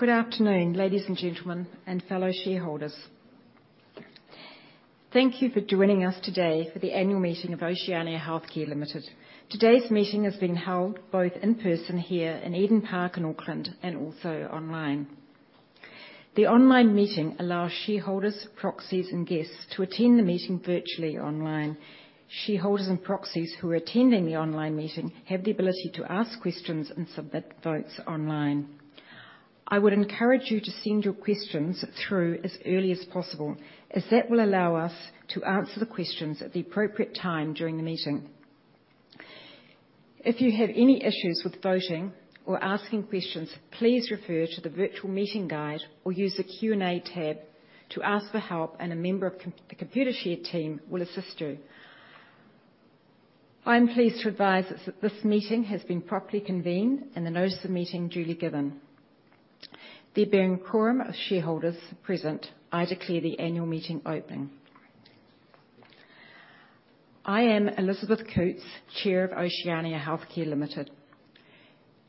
Good afternoon, ladies and gentlemen, and fellow shareholders. Thank you for joining us today for the annual meeting of Oceania Healthcare Limited. Today's meeting is being held both in person here in Eden Park in Auckland and also online. The online meeting allows shareholders, proxies, and guests to attend the meeting virtually online. Shareholders and proxies who are attending the online meeting have the ability to ask questions and submit votes online. I would encourage you to send your questions through as early as possible, as that will allow us to answer the questions at the appropriate time during the meeting. If you have any issues with voting or asking questions, please refer to the virtual meeting guide or use the Q&A tab to ask for help, and a member of the Computershare team will assist you. I am pleased to advise that this meeting has been properly convened and the notice of the meeting duly given. There being quorum of shareholders present, I declare the annual meeting open. I am Elizabeth Coutts, Chair of Oceania Healthcare Limited.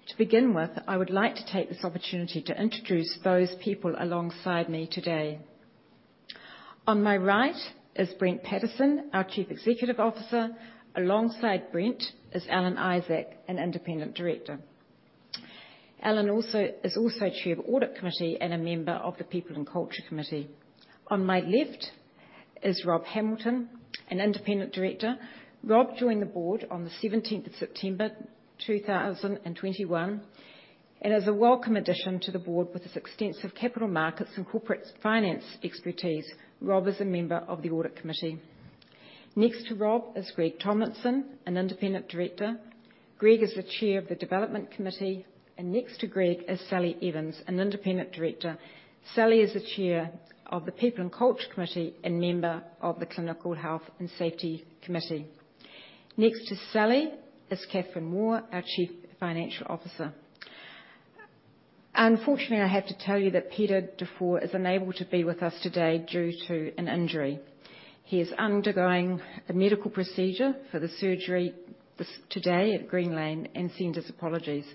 To begin with, I would like to take this opportunity to introduce those people alongside me today. On my right is Brent Pattison, our Chief Executive Officer. Alongside Brent is Alan Isaac, an independent director. Alan is also Chair of Audit Committee and a member of the People and Culture Committee. On my left is Rob Hamilton, an independent director. Rob joined the board on the 17th of September, 2021, and is a welcome addition to the board with his extensive capital markets and corporate finance expertise. Rob is a member of the Audit Committee. Next to Rob is Gregory Tomlinson, an independent director. Greg is the Chair of the Development Committee. Next to Greg is Sally Evans, an independent director. Sally is the Chair of the People and Culture Committee, and member of the Clinical Health and Safety Committee. Next to Sally is Kathryn Waugh, our Chief Financial Officer. Unfortunately, I have to tell you that Peter Dufour is unable to be with us today due to an injury. He is undergoing a medical procedure for the surgery today at Green Lane, and sends his apologies.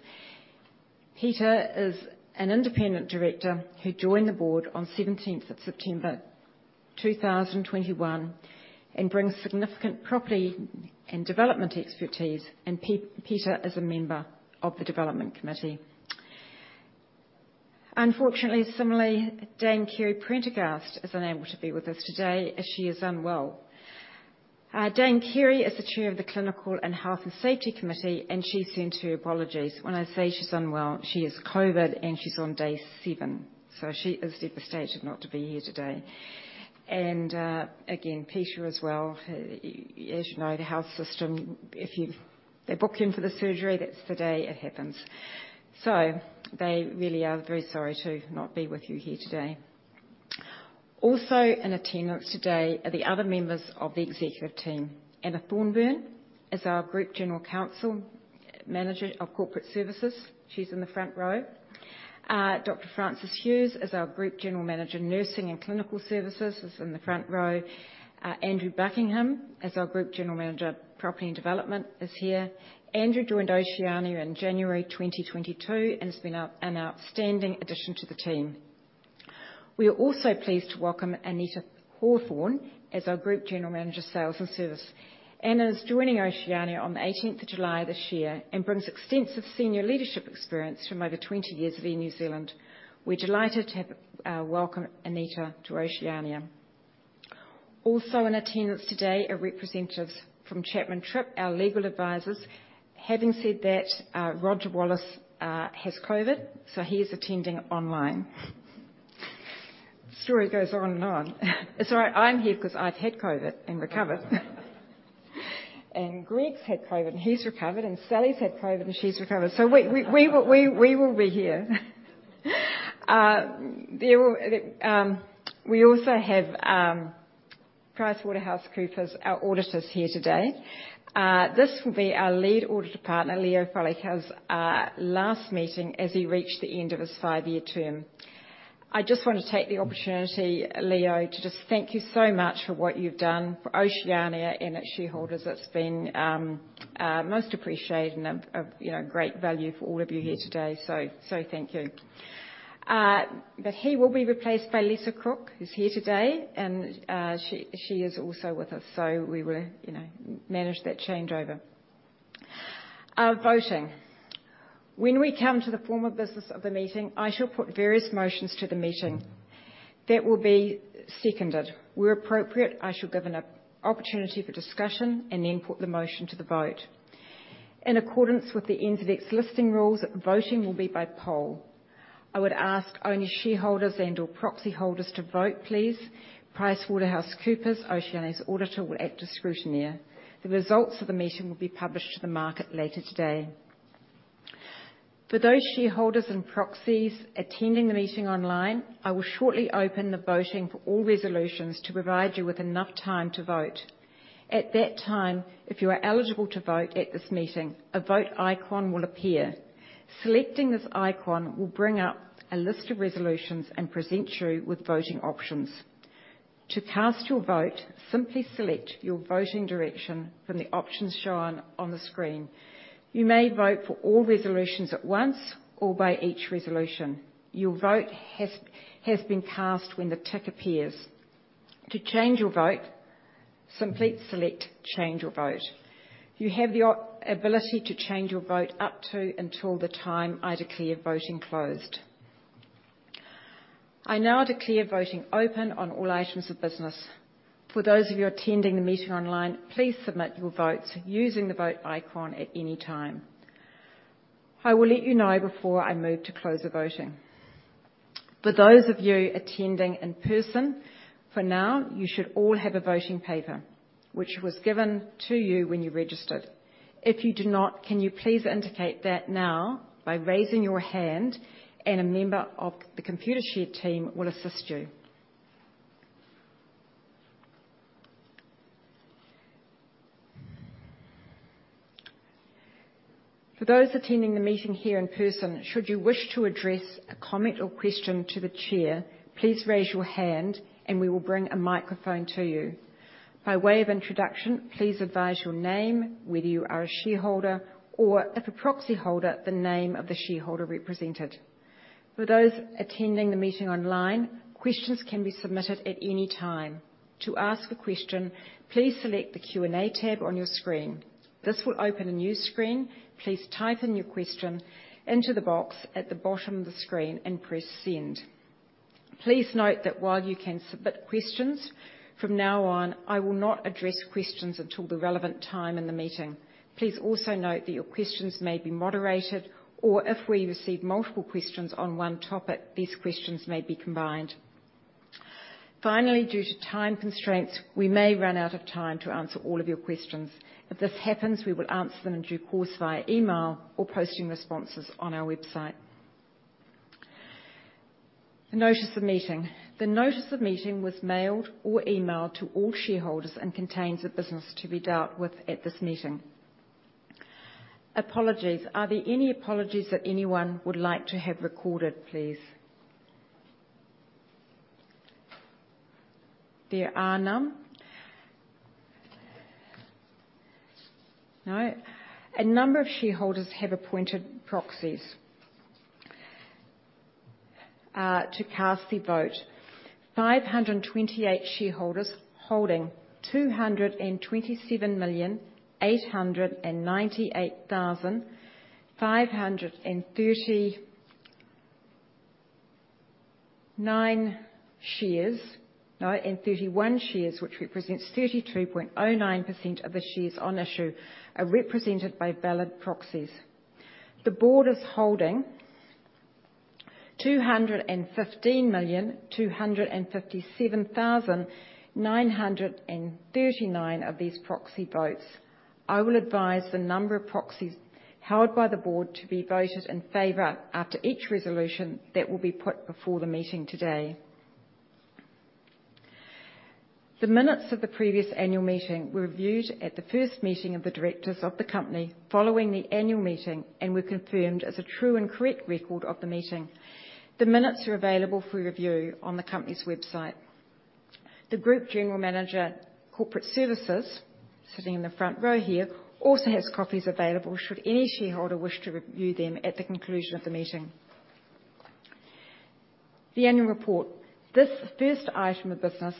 Peter is an independent director who joined the board on 17th of September, 2021, and brings significant property and development expertise, and Peter is a member of the Development Committee. Unfortunately, similarly, Dame Kerry Prendergast is unable to be with us today as she is unwell. Dame Kerry is the Chair of the Clinical and Health and Safety Committee, and she sends her apologies. When I say she's unwell, she has COVID, and she's on day seven. She is devastated not to be here today. Again, Peter as well. As you know, the health system, if you-- they book him for the surgery, that's the day it happens. They really are very sorry to not be with you here today. Also in attendance today are the other members of the executive team. Anna Thorburn is our Group General Counsel, manager of Corporate Services. She's in the front row. Dr. Frances Hughes is our Group General Manager, Nursing and Clinical Services, who's in the front row. Andrew Buckingham is our Group General Manager, Property and Development, is here. Andrew joined Oceania in January 2022 and has been outstanding addition to the team. We are also pleased to welcome Anita Hawthorne as our Group General Manager, Sales and Service. Anna is joining Oceania on the 18th of July this year and brings extensive senior leadership experience from over 20 years of Air New Zealand. We're delighted to have welcome Anita to Oceania. Also in attendance today are representatives from Chapman Tripp, our legal advisors. Having said that, Roger Wallace has COVID, so he is attending online. Story goes on and on. It's all right. I'm here 'cause I've had COVID and recovered. Greg's had COVID, and he's recovered. Sally's had COVID, and she's recovered. We will be here. We also have PricewaterhouseCoopers, our auditors here today. This will be our lead auditor partner, Leo Foliaki's, last meeting as he reached the end of his five-year term. I just want to take the opportunity, Leo, to just thank you so much for what you've done for Oceania and its shareholders. It's been most appreciated and you know, great value for all of you here today. Thank you. He will be replaced by Lisa Cruickshank, who's here today, and she is also with us, so we will you know, manage that changeover. Voting. When we come to the formal business of the meeting, I shall put various motions to the meeting. That will be seconded. Where appropriate, I shall give an opportunity for discussion and then put the motion to the vote. In accordance with the NZX Listing Rules, voting will be by poll. I would ask only shareholders and/or proxy holders to vote, please. PricewaterhouseCoopers, Oceania's auditor, will act as scrutineer. The results of the meeting will be published to the market later today. For those shareholders and proxies attending the meeting online, I will shortly open the voting for all resolutions to provide you with enough time to vote. At that time, if you are eligible to vote at this meeting, a Vote icon will appear. Selecting this icon will bring up a list of resolutions and present you with voting options. To cast your vote, simply select your voting direction from the options shown on the screen. You may vote for all resolutions at once or by each resolution. Your vote has been cast when the tick appears. To change your vote, simply select Change Your Vote. You have the ability to change your vote up to until the time I declare voting closed. I now declare voting open on all items of business. For those of you attending the meeting online, please submit your votes using the Vote icon at any time. I will let you know before I move to close the voting. For those of you attending in person, for now, you should all have a voting paper, which was given to you when you registered. If you do not, can you please indicate that now by raising your hand and a member of the Computershare team will assist you. For those attending the meeting here in person, should you wish to address a comment or question to the Chair, please raise your hand and we will bring a microphone to you. By way of introduction, please advise your name, whether you are a shareholder, or if a proxyholder, the name of the shareholder represented. For those attending the meeting online, questions can be submitted at any time. To ask a question, please select the Q&A tab on your screen. This will open a new screen. Please type in your question into the box at the bottom of the screen and press Send. Please note that while you can submit questions from now on, I will not address questions until the relevant time in the meeting. Please also note that your questions may be moderated or if we receive multiple questions on one topic, these questions may be combined. Finally, due to time constraints, we may run out of time to answer all of your questions. If this happens, we will answer them in due course via email or posting responses on our website. The notice of meeting was mailed or emailed to all shareholders and contains the business to be dealt with at this meeting. Apologies. Are there any apologies that anyone would like to have recorded, please? There are none. No. A number of shareholders have appointed proxies to cast the vote. 528 shareholders holding 227,898,531 shares, which represents 33.09% of the shares on issue, are represented by ballot proxies. The board is holding 215,257,939 of these proxy votes. I will advise the number of proxies held by the board to be voted in favor after each resolution that will be put before the meeting today. The minutes of the previous annual meeting were reviewed at the first meeting of the directors of the company following the annual meeting and were confirmed as a true and correct record of the meeting. The minutes are available for review on the company's website. The group general manager, corporate services, sitting in the front row here, also has copies available should any shareholder wish to review them at the conclusion of the meeting. The annual report. This first item of business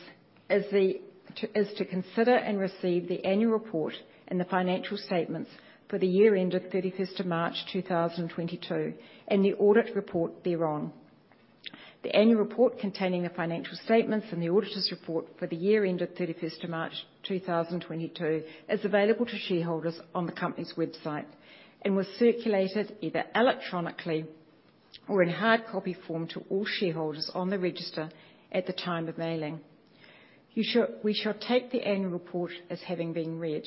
is to consider and receive the annual report and the financial statements for the year end of 31st of March, 2022, and the audit report thereon. The annual report containing the financial statements and the auditor's report for the year end of 31st of March, 2022, is available to shareholders on the company's website and was circulated either electronically or in hard copy form to all shareholders on the register at the time of mailing. We shall take the annual report as having been read.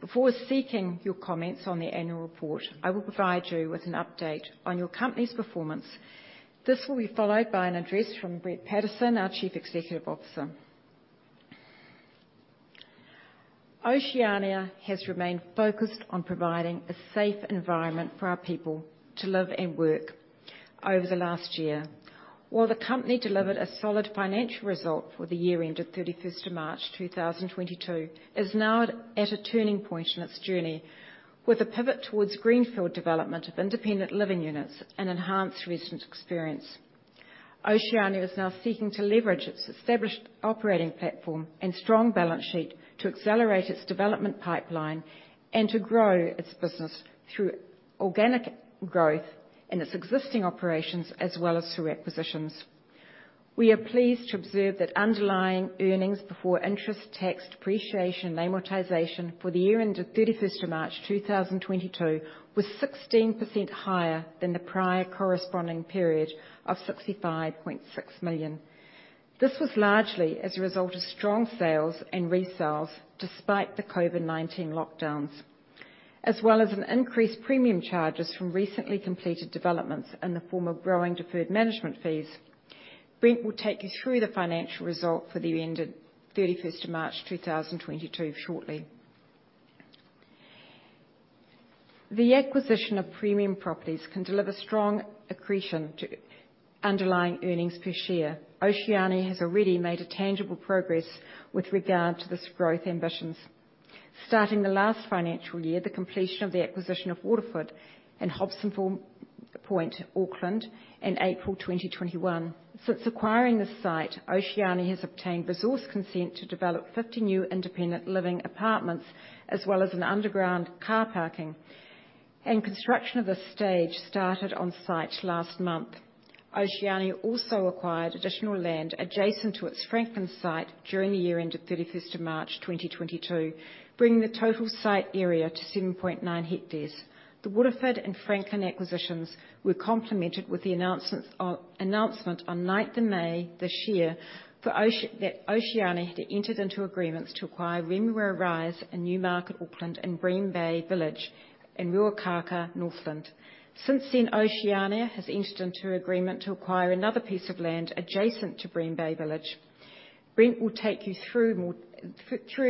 Before seeking your comments on the annual report, I will provide you with an update on your company's performance. This will be followed by an address from Brent Pattison, our Chief Executive Officer. Oceania has remained focused on providing a safe environment for our people to live and work over the last year. While the company delivered a solid financial result for the year ended 31st of March, 2022, it is now at a turning point in its journey with a pivot towards greenfield development of independent living units and enhanced resident experience. Oceania is now seeking to leverage its established operating platform and strong balance sheet to accelerate its development pipeline and to grow its business through organic growth in its existing operations as well as through acquisitions. We are pleased to observe that underlying earnings before interest, tax, depreciation, and amortization for the year ended 31st of March, 2022, was 16% higher than the prior corresponding period of 65.6 million. This was largely as a result of strong sales and resales despite the COVID-19 lockdowns, as well as an increased premium charges from recently completed developments in the form of growing deferred management fees. Brent will take you through the financial result for the end of the 31st of March, 2022, shortly. The acquisition of premium properties can deliver strong accretion to underlying earnings per share. Oceania has already made a tangible progress with regard to this growth ambitions. Starting the last financial year, the completion of the acquisition of Waterford in Hobsonville Point, Auckland, in April 2021. Since acquiring this site, Oceania has obtained resource consent to develop 50 new independent living apartments as well as an underground car parking. Construction of this stage started on site last month. Oceania also acquired additional land adjacent to its Franklin site during the year end of 31st of March 2022, bringing the total site area to 7.9 hectares. The Waterford and Franklin acquisitions were complemented with the announcement on 9th of May this year that Oceania had entered into agreements to acquire Remuera Rise in Newmarket, Auckland, and Green Bay Village in Ruakākā, Northland. Since then, Oceania has entered into agreement to acquire another piece of land adjacent to Green Bay Village. Brent will take you through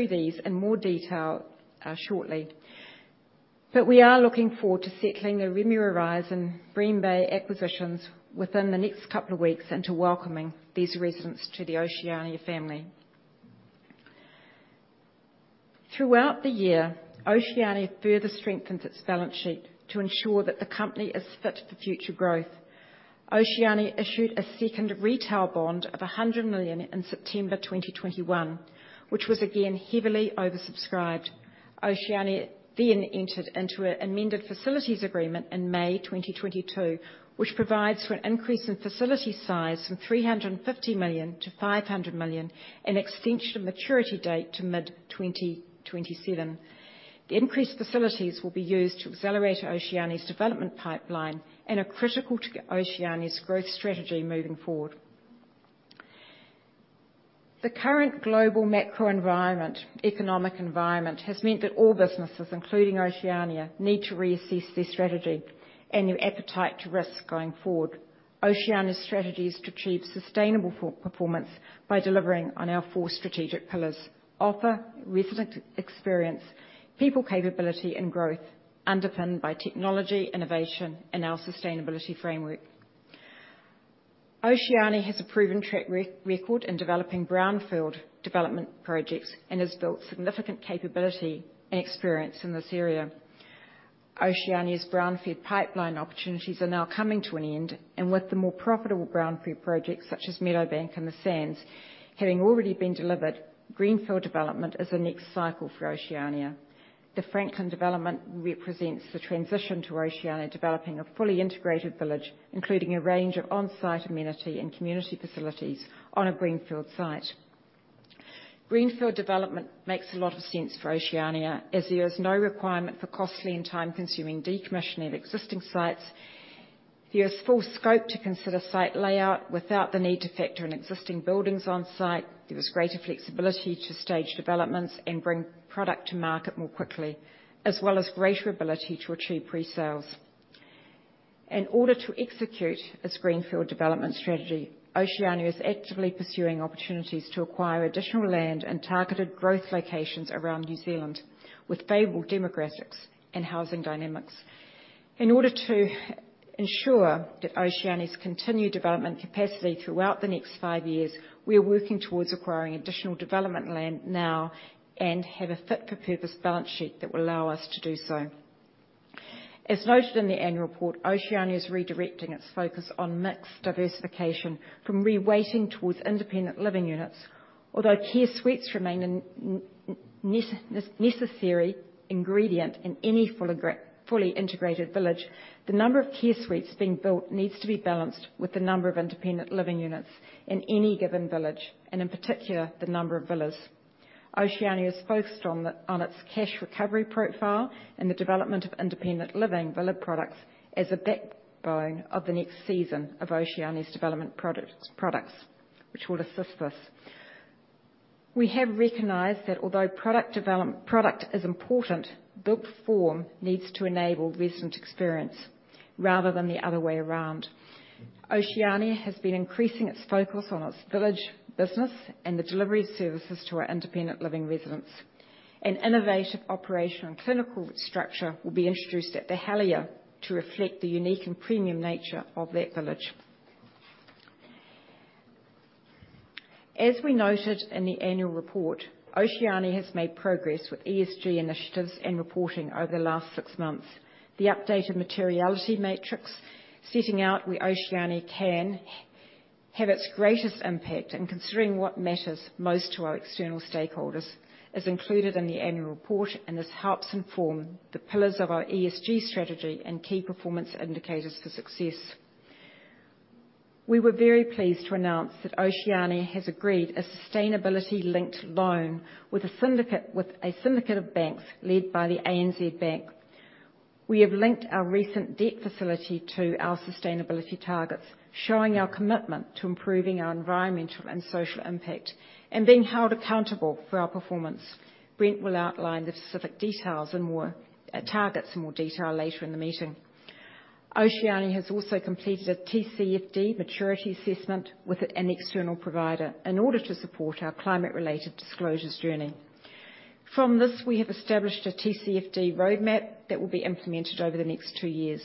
these in more detail shortly. We are looking forward to settling the Remuera Rise and Green Bay acquisitions within the next couple of weeks and to welcoming these residents to the Oceania family. Throughout the year, Oceania further strengthened its balance sheet to ensure that the company is fit for future growth. Oceania issued a second retail bond of 100 million in September 2021, which was again heavily oversubscribed. Oceania then entered into an amended facilities agreement in May 2022, which provides for an increase in facility size from 350 million to 500 million and extension of maturity date to mid-2027. The increased facilities will be used to accelerate Oceania's development pipeline and are critical to Oceania's growth strategy moving forward. The current global macro-economic environment has meant that all businesses, including Oceania, need to reassess their strategy and their appetite for risk going forward. Oceania's strategy is to achieve sustainable performance by delivering on our four strategic pillars, offer, resident experience, people capability, and growth, underpinned by technology, innovation, and our sustainability framework. Oceania has a proven track record in developing brownfield development projects and has built significant capability and experience in this area. Oceania's brownfield pipeline opportunities are now coming to an end, and with the more profitable brownfield projects, such as Meadowbank and The Sands, having already been delivered, greenfield development is the next cycle for Oceania. The Franklin development represents the transition to Oceania developing a fully integrated village, including a range of on-site amenity and community facilities on a greenfield site. Greenfield development makes a lot of sense for Oceania, as there is no requirement for costly and time-consuming decommissioning of existing sites. There is full scope to consider site layout without the need to factor in existing buildings on site. There is greater flexibility to stage developments and bring product to market more quickly, as well as greater ability to achieve pre-sales. In order to execute its greenfield development strategy, Oceania is actively pursuing opportunities to acquire additional land in targeted growth locations around New Zealand with favorable demographics and housing dynamics. In order to ensure that Oceania's continued development capacity throughout the next five years, we are working towards acquiring additional development land now and have a fit-for-purpose balance sheet that will allow us to do so. As noted in the annual report, Oceania is redirecting its focus on mixed diversification from reweighting towards independent living units. Although care suites remain a necessary ingredient in any fully integrated village, the number of care suites being built needs to be balanced with the numbers of independent living units in any given village, and in particular, the number of villas. Oceania has focused on its cash recovery profile and the development of independent living villa products as a backbone of the next season of Oceania's development products, which will assist us. We have recognized that although product development is important, built form needs to enable resident experience rather than the other way around. Oceania has been increasing its focus on its village business and the delivery of services to our independent living residents. An innovative operational and clinical structure will be introduced at The Helier to reflect the unique and premium nature of that village. As we noted in the annual report, Oceania has made progress with ESG initiatives and reporting over the last six months. The updated materiality matrix setting out where Oceania can have its greatest impact in considering what matters most to our external stakeholders is included in the annual report, and this helps inform the pillars of our ESG strategy and key performance indicators for success. We were very pleased to announce that Oceania has agreed a sustainability-linked loan with a syndicate of banks led by the ANZ Bank. We have linked our recent debt facility to our sustainability targets, showing our commitment to improving our environmental and social impact and being held accountable for our performance. Brent will outline the specific details in more targets in more detail later in the meeting. Oceania has also completed a TCFD maturity assessment with an external provider in order to support our climate-related disclosures journey. From this, we have established a TCFD roadmap that will be implemented over the next two years.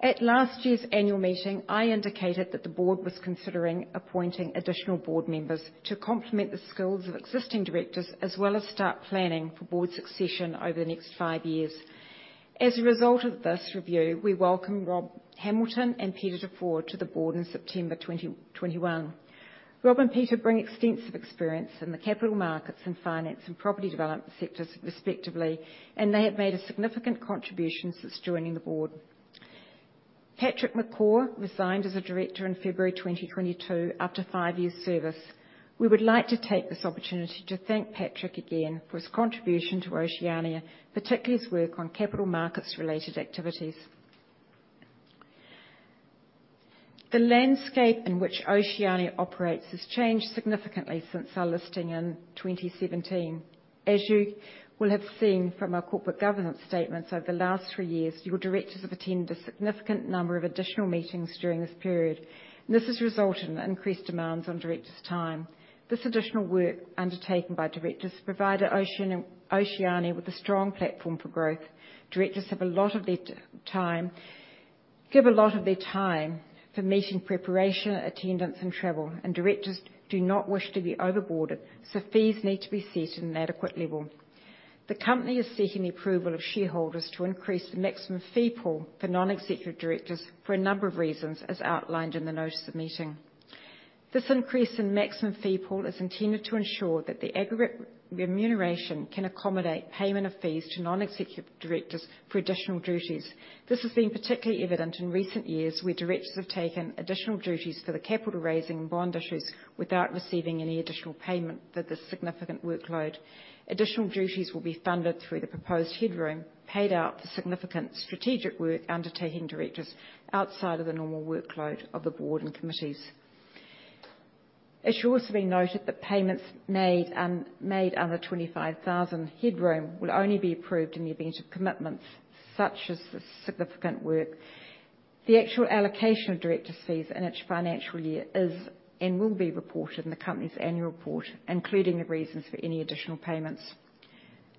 At last year's annual meeting, I indicated that the board was considering appointing additional board members to complement the skills of existing directors, as well as start planning for board succession over the next five years. As a result of this review, we welcome Rob Hamilton and Peter Dufour to the board in September 2021. Rob and Peter bring extensive experience in the capital markets, and finance, and property development sectors respectively, and they have made a significant contribution since joining the board. Patrick McGougan resigned as a director in February 2022 after five years' service. We would like to take this opportunity to thank Patrick again for his contribution to Oceania, particularly his work on capital markets related activities. The landscape in which Oceania operates has changed significantly since our listing in 2017. As you will have seen from our corporate governance statements over the last three years, your directors have attended a significant number of additional meetings during this period. This has resulted in increased demands on directors' time. This additional work undertaken by directors provided Oceania with a strong platform for growth. Directors have a lot of their time for meeting preparation, attendance, and travel, and directors do not wish to be over-boarded, so fees need to be set at an adequate level. The company is seeking the approval of shareholders to increase the maximum fee pool for non-executive directors for a number of reasons, as outlined in the notice of meeting. This increase in maximum fee pool is intended to ensure that the aggregate remuneration can accommodate payment of fees to non-executive directors for additional duties. This has been particularly evident in recent years, where directors have taken additional duties for the capital raising and bond issues without receiving any additional payment for the significant workload. Additional duties will be funded through the proposed headroom, paid out for significant strategic work undertaking directors outside of the normal workload of the board and committees. It should also be noted that payments made under 25,000 headroom will only be approved in the event of commitments such as the significant work. The actual allocation of directors' fees in each financial year is and will be reported in the company's annual report, including the reasons for any additional payments.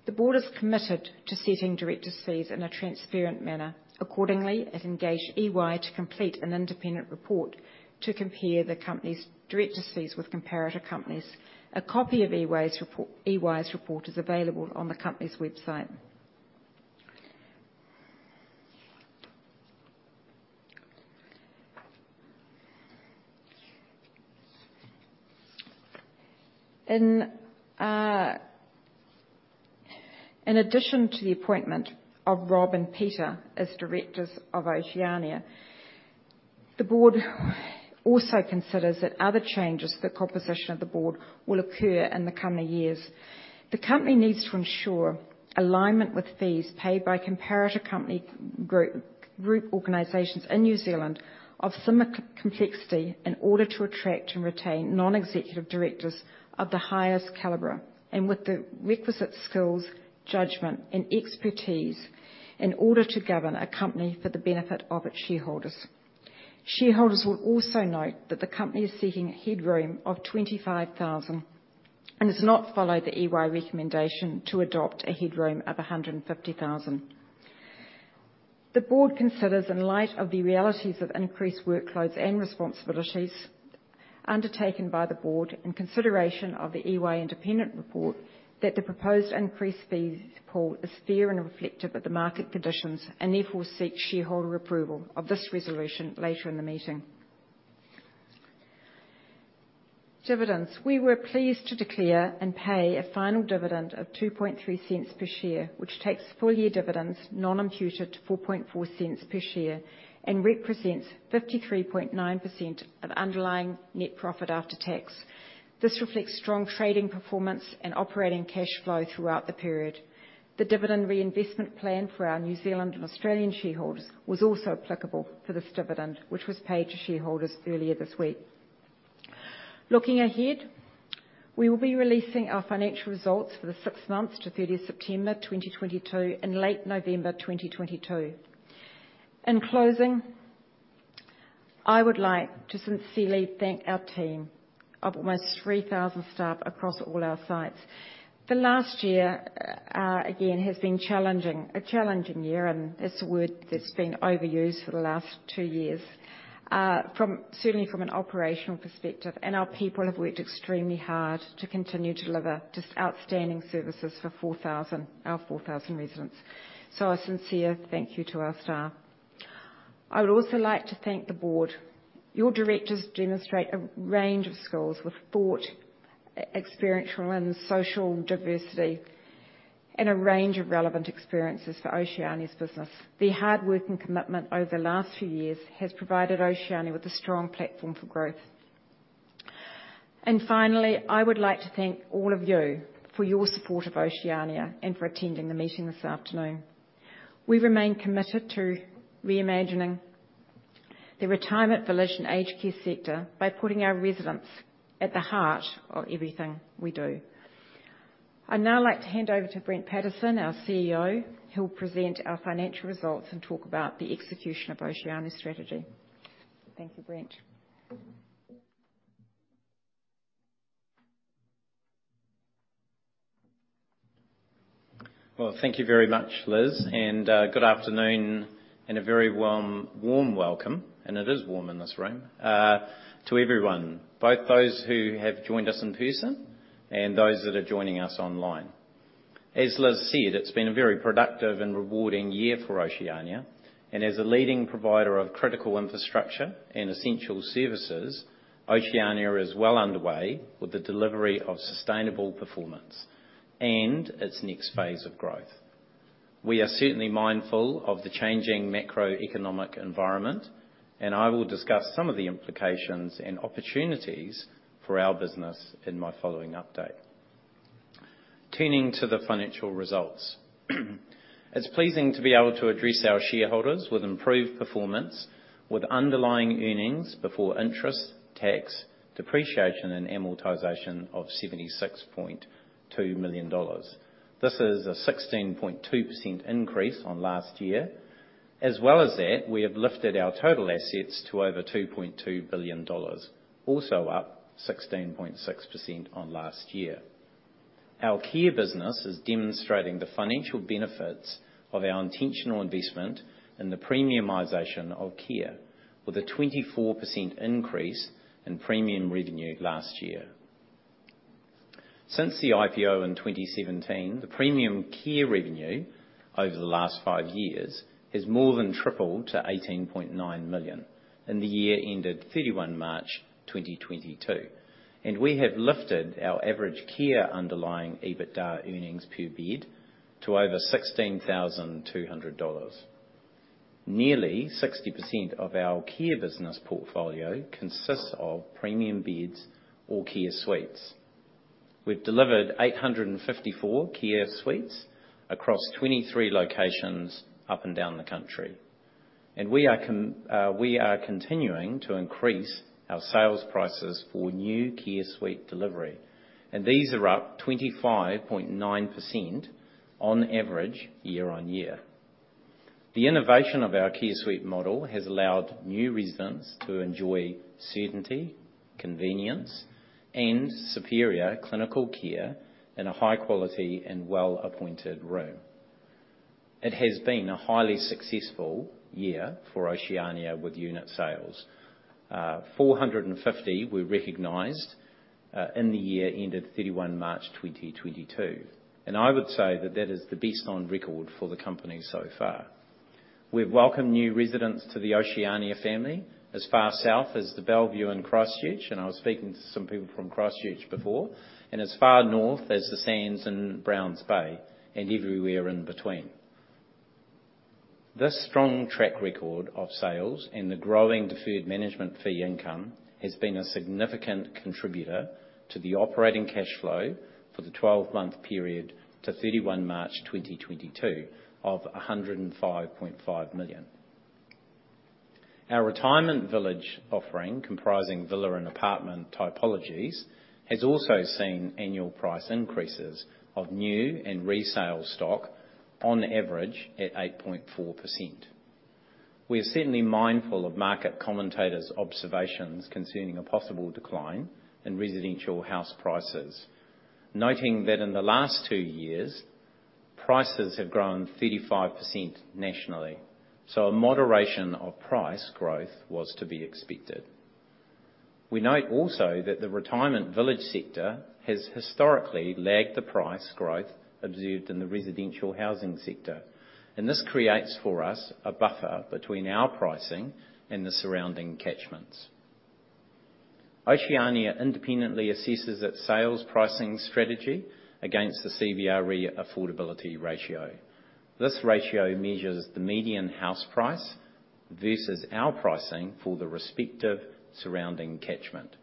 The board has committed to setting directors' fees in a transparent manner. Accordingly, it engaged EY to complete an independent report to compare the company's directors' fees with comparator companies. A copy of EY's report is available on the company's website. In addition to the appointment of Rob and Peter as directors of Oceania, the board also considers that other changes to the composition of the board will occur in the coming years. The company needs to ensure alignment with fees paid by comparator company group organizations in New Zealand of similar complexity in order to attract and retain non-executive directors of the highest caliber and with the requisite skills, judgment, and expertise in order to govern a company for the benefit of its shareholders. Shareholders will also note that the company is seeking a headroom of 25,000 and has not followed the EY recommendation to adopt a headroom of 150,000. The board considers, in light of the realities of increased workloads and responsibilities undertaken by the board in consideration of the EY independent report, that the proposed increased fees pool is fair and reflective of the market conditions, and therefore seek shareholder approval of this resolution later in the meeting. Dividends. We were pleased to declare and pay a final dividend of 0.023 per share, which takes full-year dividends non-imputed to 0.044 per share and represents 53.9% of underlying net profit after tax. This reflects strong trading performance and operating cash flow throughout the period. The dividend reinvestment plan for our New Zealand and Australian shareholders was also applicable for this dividend, which was paid to shareholders earlier this week. Looking ahead, we will be releasing our financial results for the six months to 30 September 2022 in late November 2022. In closing, I would like to sincerely thank our team of almost 3,000 staff across all our sites. The last year, again, has been challenging. A challenging year, and it's a word that's been overused for the last two years, from certainly from an operational perspective, and our people have worked extremely hard to continue to deliver just outstanding services for our 4,000 residents. So a sincere thank you to our staff. I would also like to thank the board. Your directors demonstrate a range of skills with thought, experiential and social diversity, and a range of relevant experiences for Oceania's business. Their hard work and commitment over the last few years has provided Oceania with a strong platform for growth. Finally, I would like to thank all of you for your support of Oceania and for attending the meeting this afternoon. We remain committed to reimagining the retirement village and aged care sector by putting our residents at the heart of everything we do. I'd now like to hand over to Brent Pattison, our CEO, who'll present our financial results and talk about the execution of Oceania's strategy. Thank you, Brent. Well, thank you very much, Liz, and good afternoon and a very warm welcome, and it is warm in this room to everyone, both those who have joined us in person and those that are joining us online. As Liz said, it's been a very productive and rewarding year for Oceania, and as a leading provider of critical infrastructure and essential services, Oceania is well underway with the delivery of sustainable performance and its next phase of growth. We are certainly mindful of the changing macroeconomic environment, and I will discuss some of the implications and opportunities for our business in my following update. Turning to the financial results. It's pleasing to be able to address our shareholders with improved performance with underlying earnings before interest, tax, depreciation, and amortization of 76.2 million dollars. This is a 16.2% increase on last year. As well as that, we have lifted our total assets to over 2.2 billion dollars, also up 16.6% on last year. Our care business is demonstrating the financial benefits of our intentional investment in the premiumization of care with a 24% increase in premium revenue last year. Since the IPO in 2017, the premium care revenue over the last five years has more than tripled to 18.9 million in the year ended 31 March 2022, and we have lifted our average care underlying EBITDA earnings per bed to over 16,200 dollars. Nearly 60% of our care business portfolio consists of premium beds or Care Suites. We've delivered 854 Care Suites across 23 locations up and down the country. We are continuing to increase our sales prices for new Care Suite delivery, and these are up 25.9% on average year-on-year. The innovation of our Care Suite model has allowed new residents to enjoy certainty, convenience, and superior clinical care in a high quality and well-appointed room. It has been a highly successful year for Oceania with unit sales. 450 were recognized in the year ended 31 March 2022, and I would say that is the best on record for the company so far. We've welcomed new residents to the Oceania family as far south as The Bellevue in Christchurch, and I was speaking to some people from Christchurch before, and as far north as The Sands in Browns Bay, and everywhere in between. This strong track record of sales and the growing deferred management fee income has been a significant contributor to the operating cash flow for the 12-month period to 31 March 2022 of 105.5 million. Our retirement village offering, comprising villa and apartment typologies, has also seen annual price increases of new and resale stock on average at 8.4%. We are certainly mindful of market commentators' observations concerning a possible decline in residential house prices, noting that in the last two years, prices have grown 35% nationally, so a moderation of price growth was to be expected. We note also that the retirement village sector has historically lagged the price growth observed in the residential housing sector, and this creates for us a buffer between our pricing and the surrounding catchments. Oceania independently assesses its sales pricing strategy against the CVRE affordability ratio. This ratio measures the median house price versus our pricing for the respective surrounding catchment.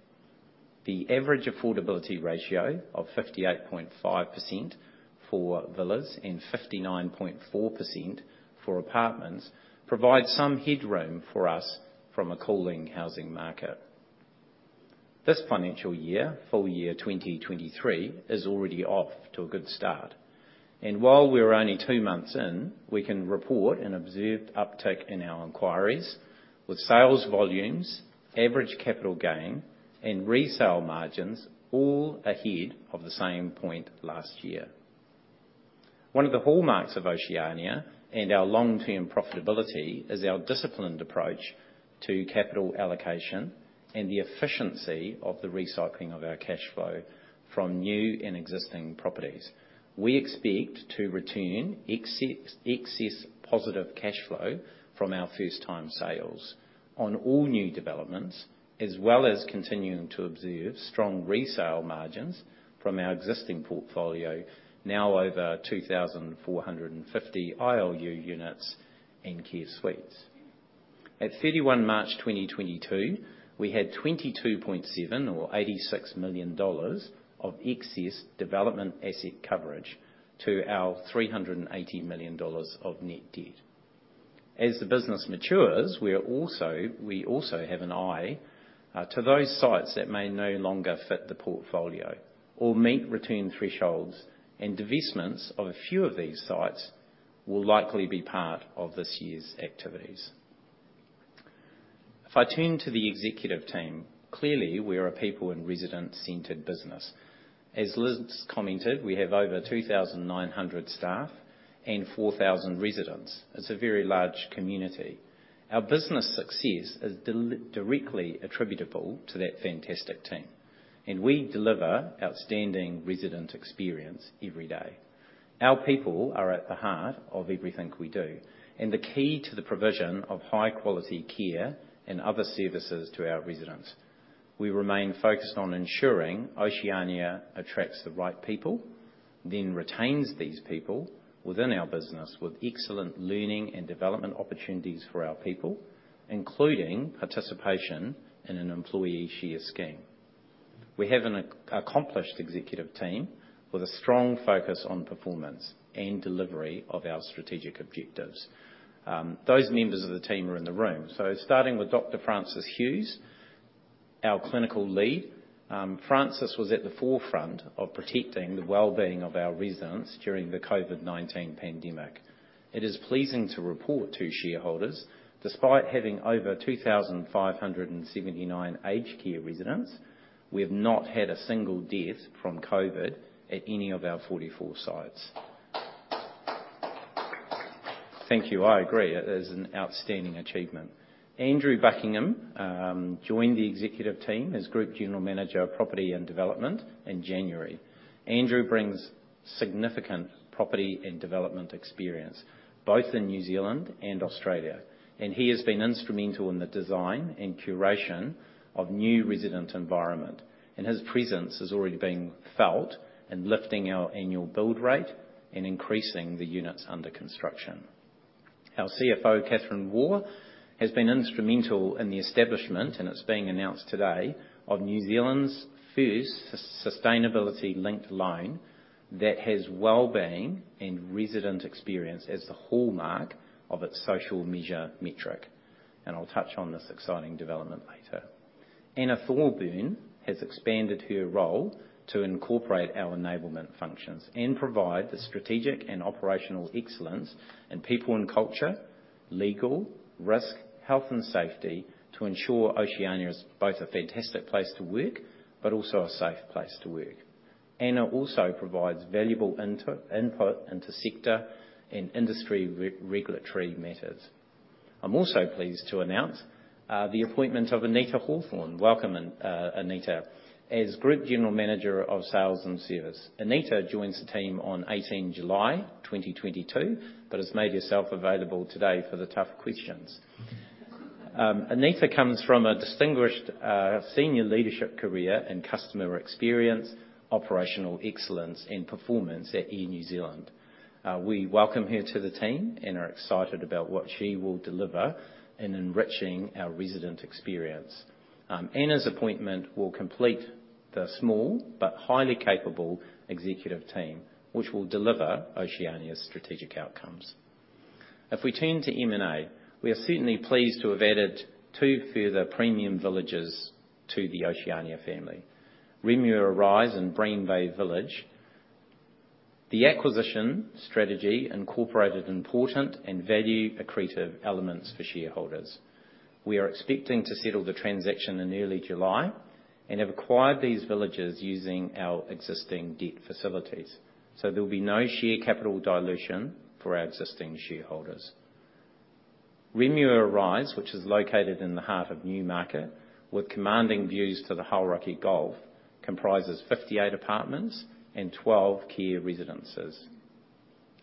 The average affordability ratio of 58.5% for villas and 59.4% for apartments provides some headroom for us from a cooling housing market. This financial year, full year 2023, is already off to a good start. While we're only two months in, we can report an observed uptick in our inquiries with sales volumes, average capital gain, and resale margins all ahead of the same point last year. One of the hallmarks of Oceania and our long-term profitability is our disciplined approach to capital allocation and the efficiency of the recycling of our cash flow from new and existing properties. We expect to return excess positive cash flow from our first-time sales on all new developments, as well as continuing to observe strong resale margins from our existing portfolio, now over 2,450 ILU units and Care Suites. At 31 March 2022, we had 22.7 or 86 million dollars of excess development asset coverage to our 380 million dollars of net debt. As the business matures, we also have an eye to those sites that may no longer fit the portfolio or meet return thresholds, and divestments of a few of these sites will likely be part of this year's activities. If I turn to the executive team, clearly we are a people and resident-centered business. As Liz commented, we have over 2,900 staff and 4,000 residents. It's a very large community. Our business success is directly attributable to that fantastic team, and we deliver outstanding resident experience every day. Our people are at the heart of everything we do, and the key to the provision of high-quality care and other services to our residents. We remain focused on ensuring Oceania attracts the right people, then retains these people within our business with excellent learning and development opportunities for our people, including participation in an employee share scheme. We have an accomplished executive team with a strong focus on performance and delivery of our strategic objectives. Those members of the team are in the room. Starting with Dr. Frances Hughes, our clinical lead. Frances was at the forefront of protecting the well-being of our residents during the COVID-19 pandemic. It is pleasing to report to shareholders, despite having over 2,579 aged care residents, we have not had a single death from COVID at any of our 44 sites. Thank you. I agree, it is an outstanding achievement. Andrew Buckingham joined the executive team as Group General Manager of Property and Development in January. Andrew brings significant property and development experience both in New Zealand and Australia, and he has been instrumental in the design and curation of new resident environment, and his presence has already been felt in lifting our annual build rate and increasing the units under construction. Our CFO, Kathryn Waugh, has been instrumental in the establishment, and it's being announced today, of New Zealand's first sustainability-linked loan that has well-being and resident experience as the hallmark of its social measure metric, and I'll touch on this exciting development later. Anna Thorburn has expanded her role to incorporate our enablement functions and provide the strategic and operational excellence in people and culture, legal, risk, health, and safety to ensure Oceania is both a fantastic place to work, but also a safe place to work. Anna also provides valuable input into sector and industry regulatory matters. I'm also pleased to announce the appointment of Anita Hawthorne, welcome Anita, as Group General Manager of Sales and Service. Anita joins the team on 18 July, 2022, but has made herself available today for the tough questions. Anita comes from a distinguished senior leadership career in customer experience, operational excellence, and performance at Air New Zealand. We welcome her to the team and are excited about what she will deliver in enriching our resident experience. Anna's appointment will complete the small but highly capable executive team, which will deliver Oceania's strategic outcomes. If we turn to M&A, we are certainly pleased to have added two further premium villages to the Oceania family, Remuera Rise and Green Bay Village. The acquisition strategy incorporated important and value accretive elements for shareholders. We are expecting to settle the transaction in early July and have acquired these villages using our existing debt facilities, so there'll be no share capital dilution for our existing shareholders. Remuera Rise, which is located in the heart of Newmarket with commanding views to the Hauraki Gulf, comprises 58 apartments and 12 care residences.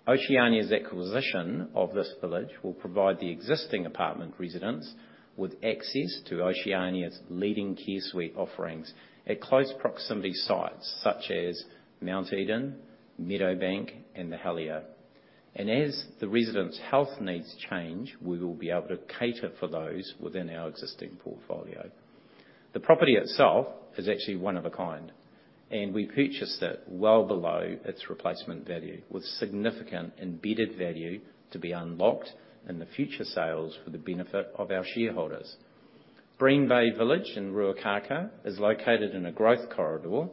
Oceania's acquisition of this village will provide the existing apartment residents with access to Oceania's leading Care Suites offerings at close proximity sites such as Mount Eden, Meadowbank, and the Helier. As the residents' health needs change, we will be able to cater for those within our existing portfolio. The property itself is actually one of a kind, and we purchased it well below its replacement value, with significant embedded value to be unlocked in the future sales for the benefit of our shareholders. Green Bay Village in Ruakākā is located in a growth corridor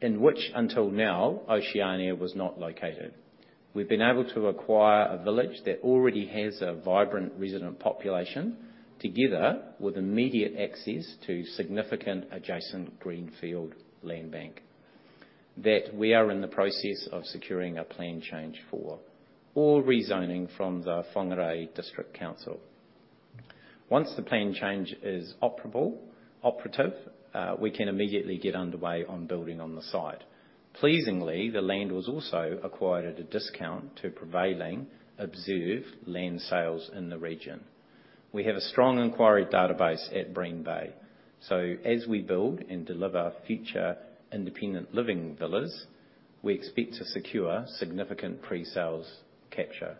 in which until now Oceania was not located. We've been able to acquire a village that already has a vibrant resident population, together with immediate access to significant adjacent greenfield land bank that we are in the process of securing a plan change for or rezoning from the Whangārei District Council. Once the plan change is operative, we can immediately get underway on building on the site. Pleasingly, the land was also acquired at a discount to prevailing observed land sales in the region. We have a strong inquiry database at Green Bay, so as we build and deliver future independent living villas, we expect to secure significant pre-sales capture.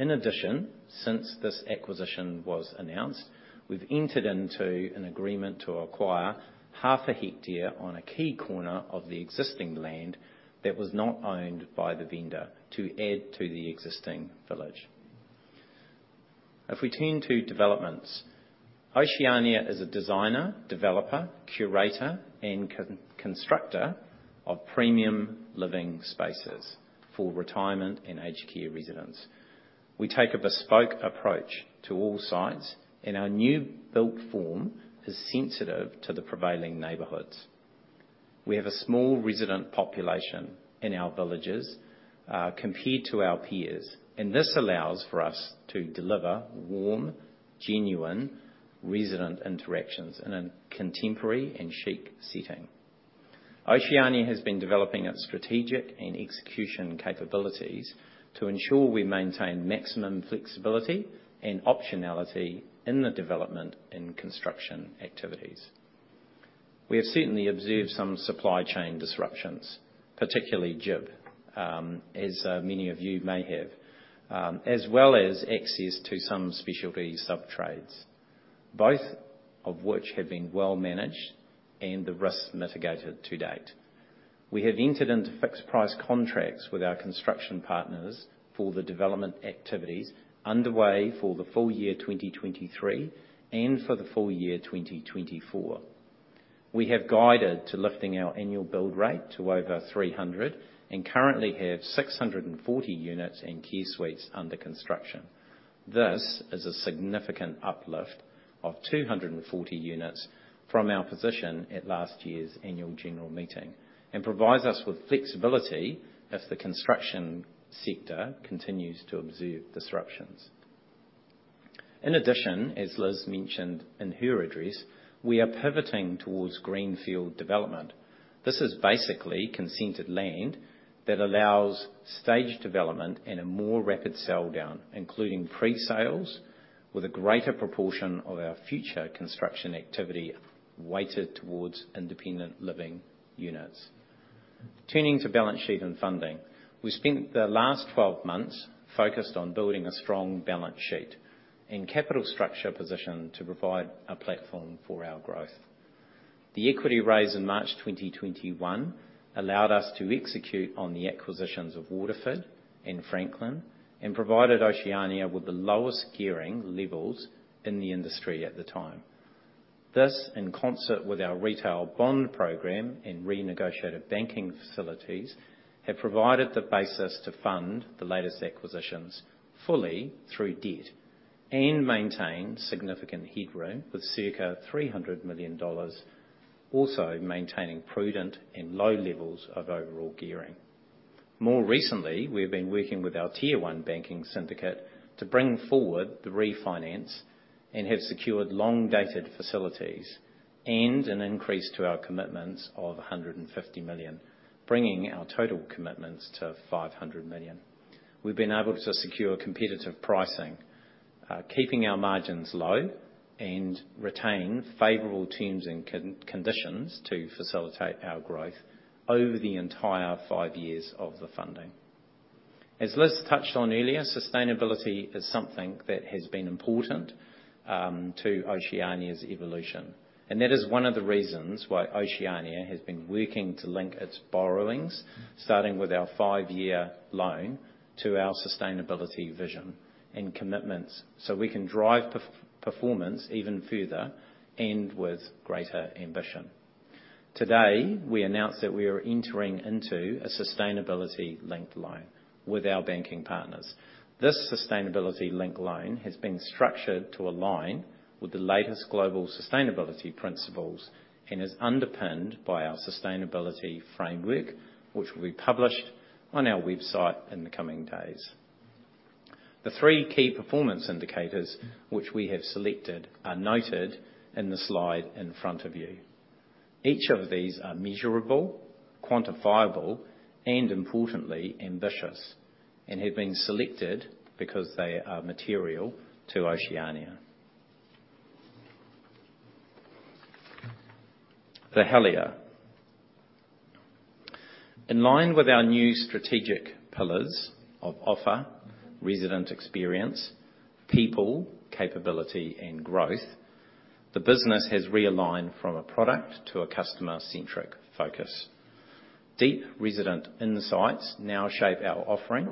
In addition, since this acquisition was announced, we've entered into an agreement to acquire half a hectare on a key corner of the existing land that was not owned by the vendor to add to the existing village. If we turn to developments, Oceania is a designer, developer, curator, and constructor of premium living spaces for retirement and aged care residents. We take a bespoke approach to all sites, and our new built form is sensitive to the prevailing neighborhoods. We have a small resident population in our villages, compared to our peers, and this allows for us to deliver warm, genuine resident interactions in a contemporary and chic setting. Oceania has been developing its strategic and execution capabilities to ensure we maintain maximum flexibility and optionality in the development and construction activities. We have certainly observed some supply chain disruptions, particularly GIB, many of you may have, as well as access to some specialty subtrades, both of which have been well managed and the risks mitigated to date. We have entered into fixed price contracts with our construction partners for the development activities underway for the full year 2023 and for the full year 2024. We have guided to lifting our annual build rate to over 300 and currently have 640 units and care suites under construction. This is a significant uplift of 240 units from our position at last year's annual general meeting and provides us with flexibility as the construction sector continues to observe disruptions. In addition, as Liz mentioned in her address, we are pivoting towards greenfield development. This is basically consented land that allows staged development and a more rapid sell down, including pre-sales with a greater proportion of our future construction activity weighted towards independent living units. Turning to balance sheet and funding. We spent the last 12 months focused on building a strong balance sheet and capital structure position to provide a platform for our growth. The equity raise in March 2021 allowed us to execute on the acquisitions of Waterford and Franklin and provided Oceania with the lowest gearing levels in the industry at the time. This, in concert with our retail bond program and renegotiated banking facilities, have provided the basis to fund the latest acquisitions fully through debt and maintain significant headroom with circa 300 million dollars, also maintaining prudent and low levels of overall gearing. More recently, we have been working with our tier one banking syndicate to bring forward the refinance and have secured long-dated facilities and an increase to our commitments of 150 million, bringing our total commitments to 500 million. We've been able to secure competitive pricing, keeping our margins low and retain favorable terms and conditions to facilitate our growth over the entire five years of the funding. As Liz touched on earlier, sustainability is something that has been important to Oceania's evolution, and that is one of the reasons why Oceania has been working to link its borrowings, starting with our five-year loan, to our sustainability vision and commitments, so we can drive performance even further and with greater ambition. Today, we announce that we are entering into a sustainability-linked loan with our banking partners. This sustainability-linked loan has been structured to align with the latest global sustainability principles and is underpinned by our sustainability framework, which will be published on our website in the coming days. The three key performance indicators which we have selected are noted in the slide in front of you. Each of these are measurable, quantifiable, and importantly, ambitious, and have been selected because they are material to Oceania. The Helier. In line with our new strategic pillars of offer, resident experience, people, capability, and growth, the business has realigned from a product to a customer-centric focus. Deep resident insights now shape our offering,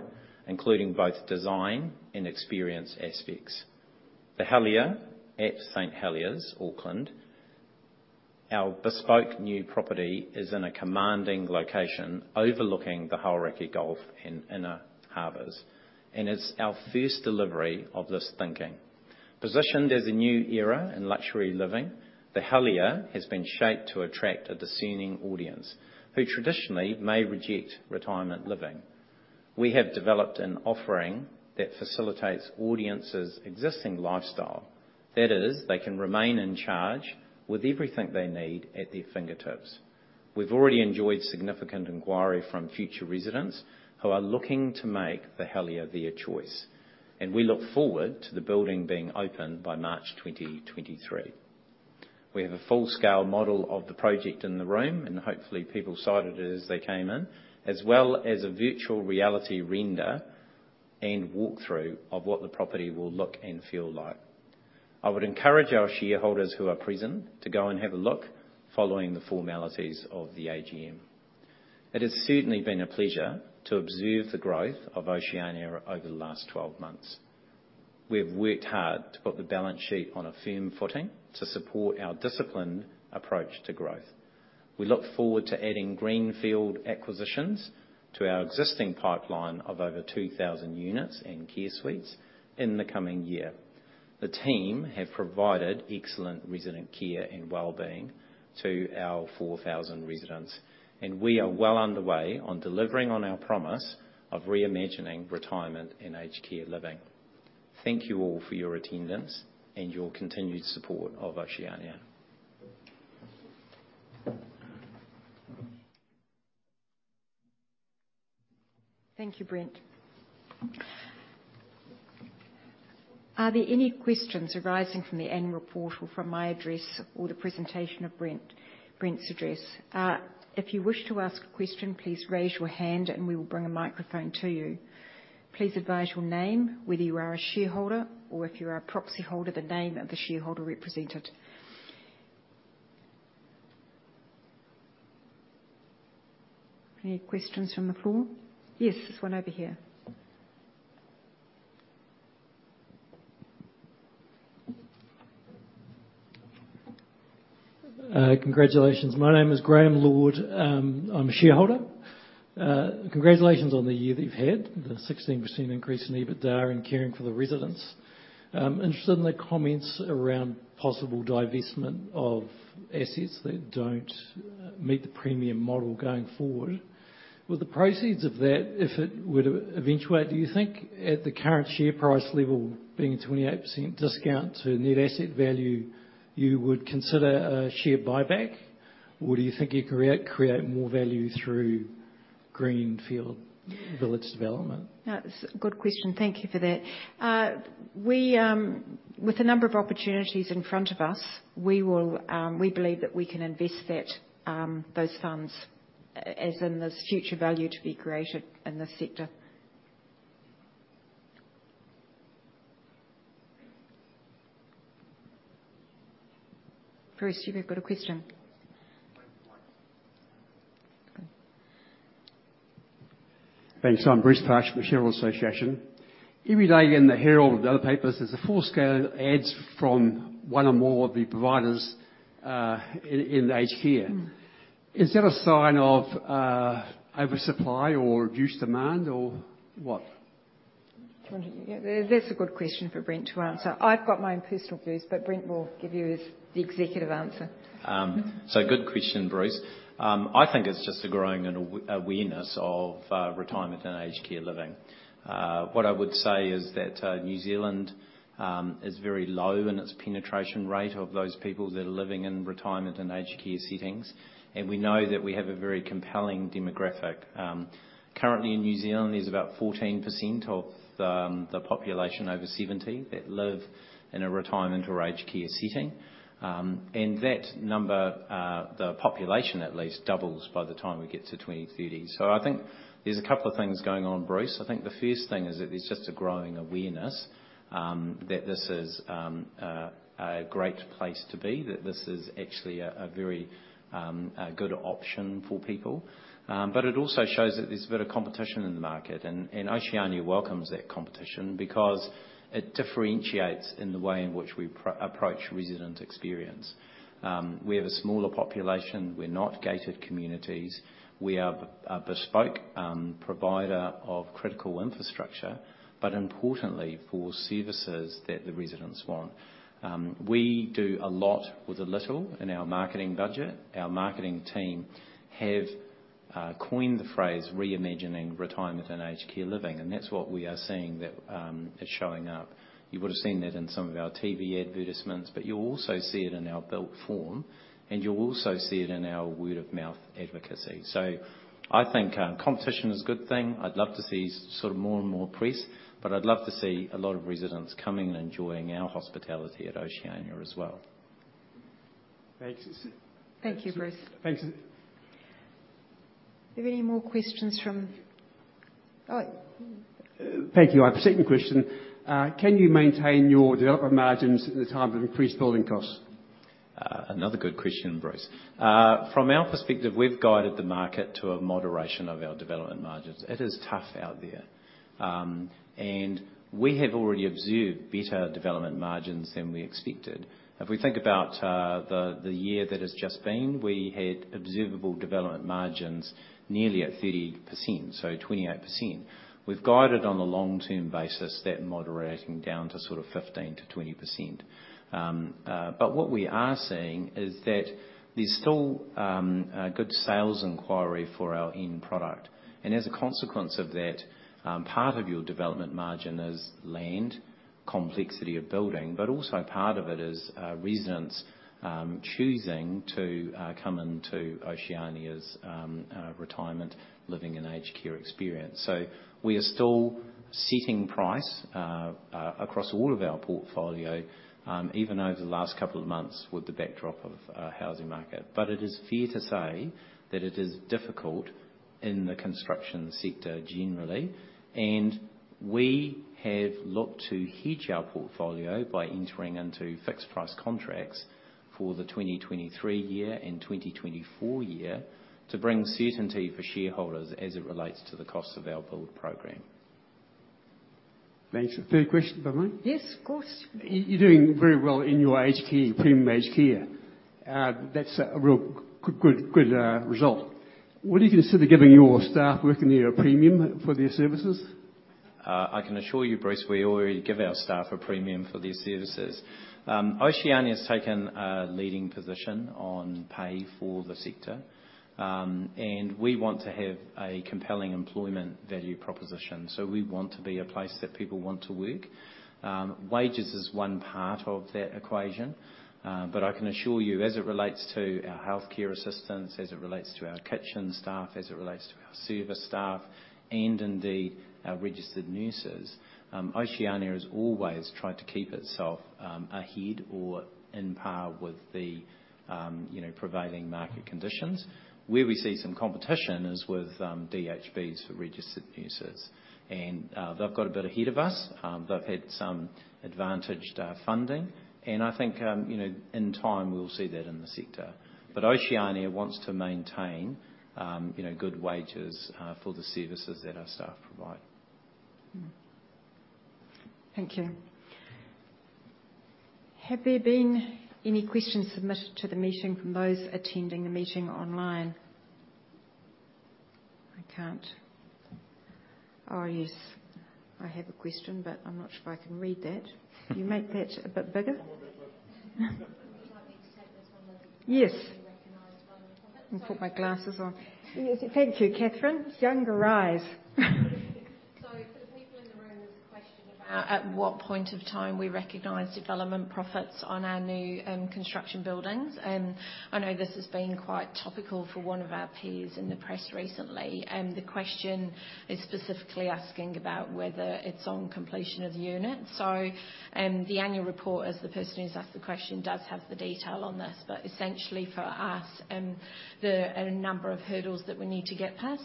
including both design and experience aspects. The Helier at St Heliers, Auckland, our bespoke new property, is in a commanding location overlooking the Hauraki Gulf and inner harbors, and is our first delivery of this thinking. Positioned as a new era in luxury living, The Helier has been shaped to attract a discerning audience who traditionally may reject retirement living. We have developed an offering that facilitates audience's existing lifestyle. That is, they can remain in charge with everything they need at their fingertips. We've already enjoyed significant inquiry from future residents who are looking to make The Helier their choice, and we look forward to the building being open by March 2023. We have a full-scale model of the project in the room, and hopefully people sighted it as they came in, as well as a virtual reality render and walkthrough of what the property will look and feel like. I would encourage our shareholders who are present to go and have a look following the formalities of the AGM. It has certainly been a pleasure to observe the growth of Oceania over the last 12 months. We have worked hard to put the balance sheet on a firm footing to support our disciplined approach to growth. We look forward to adding greenfield acquisitions to our existing pipeline of over 2,000 units in Care Suites in the coming year. The team have provided excellent resident care and well-being to our 4,000 residents, and we are well underway on delivering on our promise of reimagining retirement and aged care living. Thank you all for your attendance and your continued support of Oceania. Thank you, Brent. Are there any questions arising from the annual report or from my address or the presentation of Brent's address? If you wish to ask a question, please raise your hand, and we will bring a microphone to you. Please advise your name, whether you are a shareholder or if you are a proxyholder, the name of the shareholder represented. Any questions from the floor? Yes, there's one over here. Congratulations. My name is Graeme Lord. I'm a shareholder. Congratulations on the year that you've had, the 16% increase in EBITDA and caring for the residents. Interested in the comments around possible divestment of assets that don't meet the premium model going forward. With the proceeds of that, if it would eventuate, do you think at the current share price level being a 28% discount to net asset value, you would consider a share buyback, or do you think you create more value through greenfield village development? That's a good question. Thank you for that. With the number of opportunities in front of us, we will, we believe that we can invest those funds as in there's future value to be created in this sector. Bruce, you have got a question. Thanks. I'm Bruce Sheppard from the New Zealand Shareholders' Association. Every day in The New Zealand Herald and other papers, there's full-scale ads from one or more of the providers in aged care. Mm. Is that a sign of, oversupply or reduced demand or what? That's a good question for Brent to answer. I've got my own personal views, but Brent will give you his, the executive answer. Good question, Bruce. I think it's just a growing awareness of retirement and aged care living. What I would say is that New Zealand is very low in its penetration rate of those people that are living in retirement and aged care settings, and we know that we have a very compelling demographic. Currently in New Zealand, there's about 14% of the population over 70 that live in a retirement or aged care setting. That number, the population at least doubles by the time we get to 2030. I think there's a couple of things going on, Bruce. I think the first thing is that there's just a growing awareness that this is a great place to be, that this is actually a very good option for people. It also shows that there's a bit of competition in the market, and Oceania welcomes that competition because it differentiates in the way in which we approach resident experience. We have a smaller population. We're not gated communities. We are a bespoke provider of critical infrastructure, but importantly for services that the residents want. We do a lot with a little in our marketing budget. Our marketing team have coined the phrase reimagining retirement and aged care living, and that's what we are seeing that is showing up. You would have seen that in some of our TV advertisements, but you'll also see it in our built form, and you'll also see it in our word-of-mouth advocacy. I think competition is a good thing. I'd love to see sort of more and more press, but I'd love to see a lot of residents coming and enjoying our hospitality at Oceania as well. Thanks. Thank you, Bruce. Thanks. Are there any more questions? All right. Thank you. I have a second question. Can you maintain your development margins at the time of increased building costs? Another good question, Bruce. From our perspective, we've guided the market to a moderation of our development margins. It is tough out there, and we have already observed better development margins than we expected. If we think about the year that has just been, we had observed development margins nearly at 30%, so 28%. We've guided on a long-term basis that moderating down to sort of 15%-20%. But what we are seeing is that there's still a good sales inquiry for our end product. As a consequence of that, part of your development margin is land, complexity of building, but also part of it is residents choosing to come into Oceania's retirement living and aged care experience. We are still setting price across all of our portfolio, even over the last couple of months with the backdrop of housing market. It is fair to say that it is difficult in the construction sector generally, and we have looked to hedge our portfolio by entering into fixed-price contracts for the 2023 year and 2024 year to bring certainty for shareholders as it relates to the cost of our build program. Thanks. Third question, Elizabeth? Yes, of course. You're doing very well in your aged care, premium aged care. That's a real good result. Would you consider giving your staff working there a premium for their services? I can assure you, Bruce, we already give our staff a premium for their services. Oceania has taken a leading position on pay for the sector. We want to have a compelling employment value proposition, so we want to be a place that people want to work. Wages is one part of that equation. I can assure you, as it relates to our healthcare assistants, as it relates to our kitchen staff, as it relates to our service staff, and indeed, our registered nurses, Oceania has always tried to keep itself ahead or on par with the you know, prevailing market conditions. Where we see some competition is with DHBs for registered nurses. They've got a bit ahead of us. They've had some advantageous funding. I think, you know, in time we'll see that in the sector. Oceania wants to maintain, you know, good wages, for the services that our staff provide. Thank you. Have there been any questions submitted to the meeting from those attending the meeting online? Oh, yes. I have a question, but I'm not sure if I can read that. Can you make that a bit bigger? You might need to take this one as. Yes. being recognized by the public. Let me put my glasses on. Thank you, Kathryn. Younger eyes. For the people in the room, there's a question about at what point of time we recognize development profits on our new construction buildings. I know this has been quite topical for one of our peers in the press recently. The question is specifically asking about whether it's on completion of the unit. The annual report, as the person who's asked the question, does have the detail on this. But essentially for us, there are a number of hurdles that we need to get past.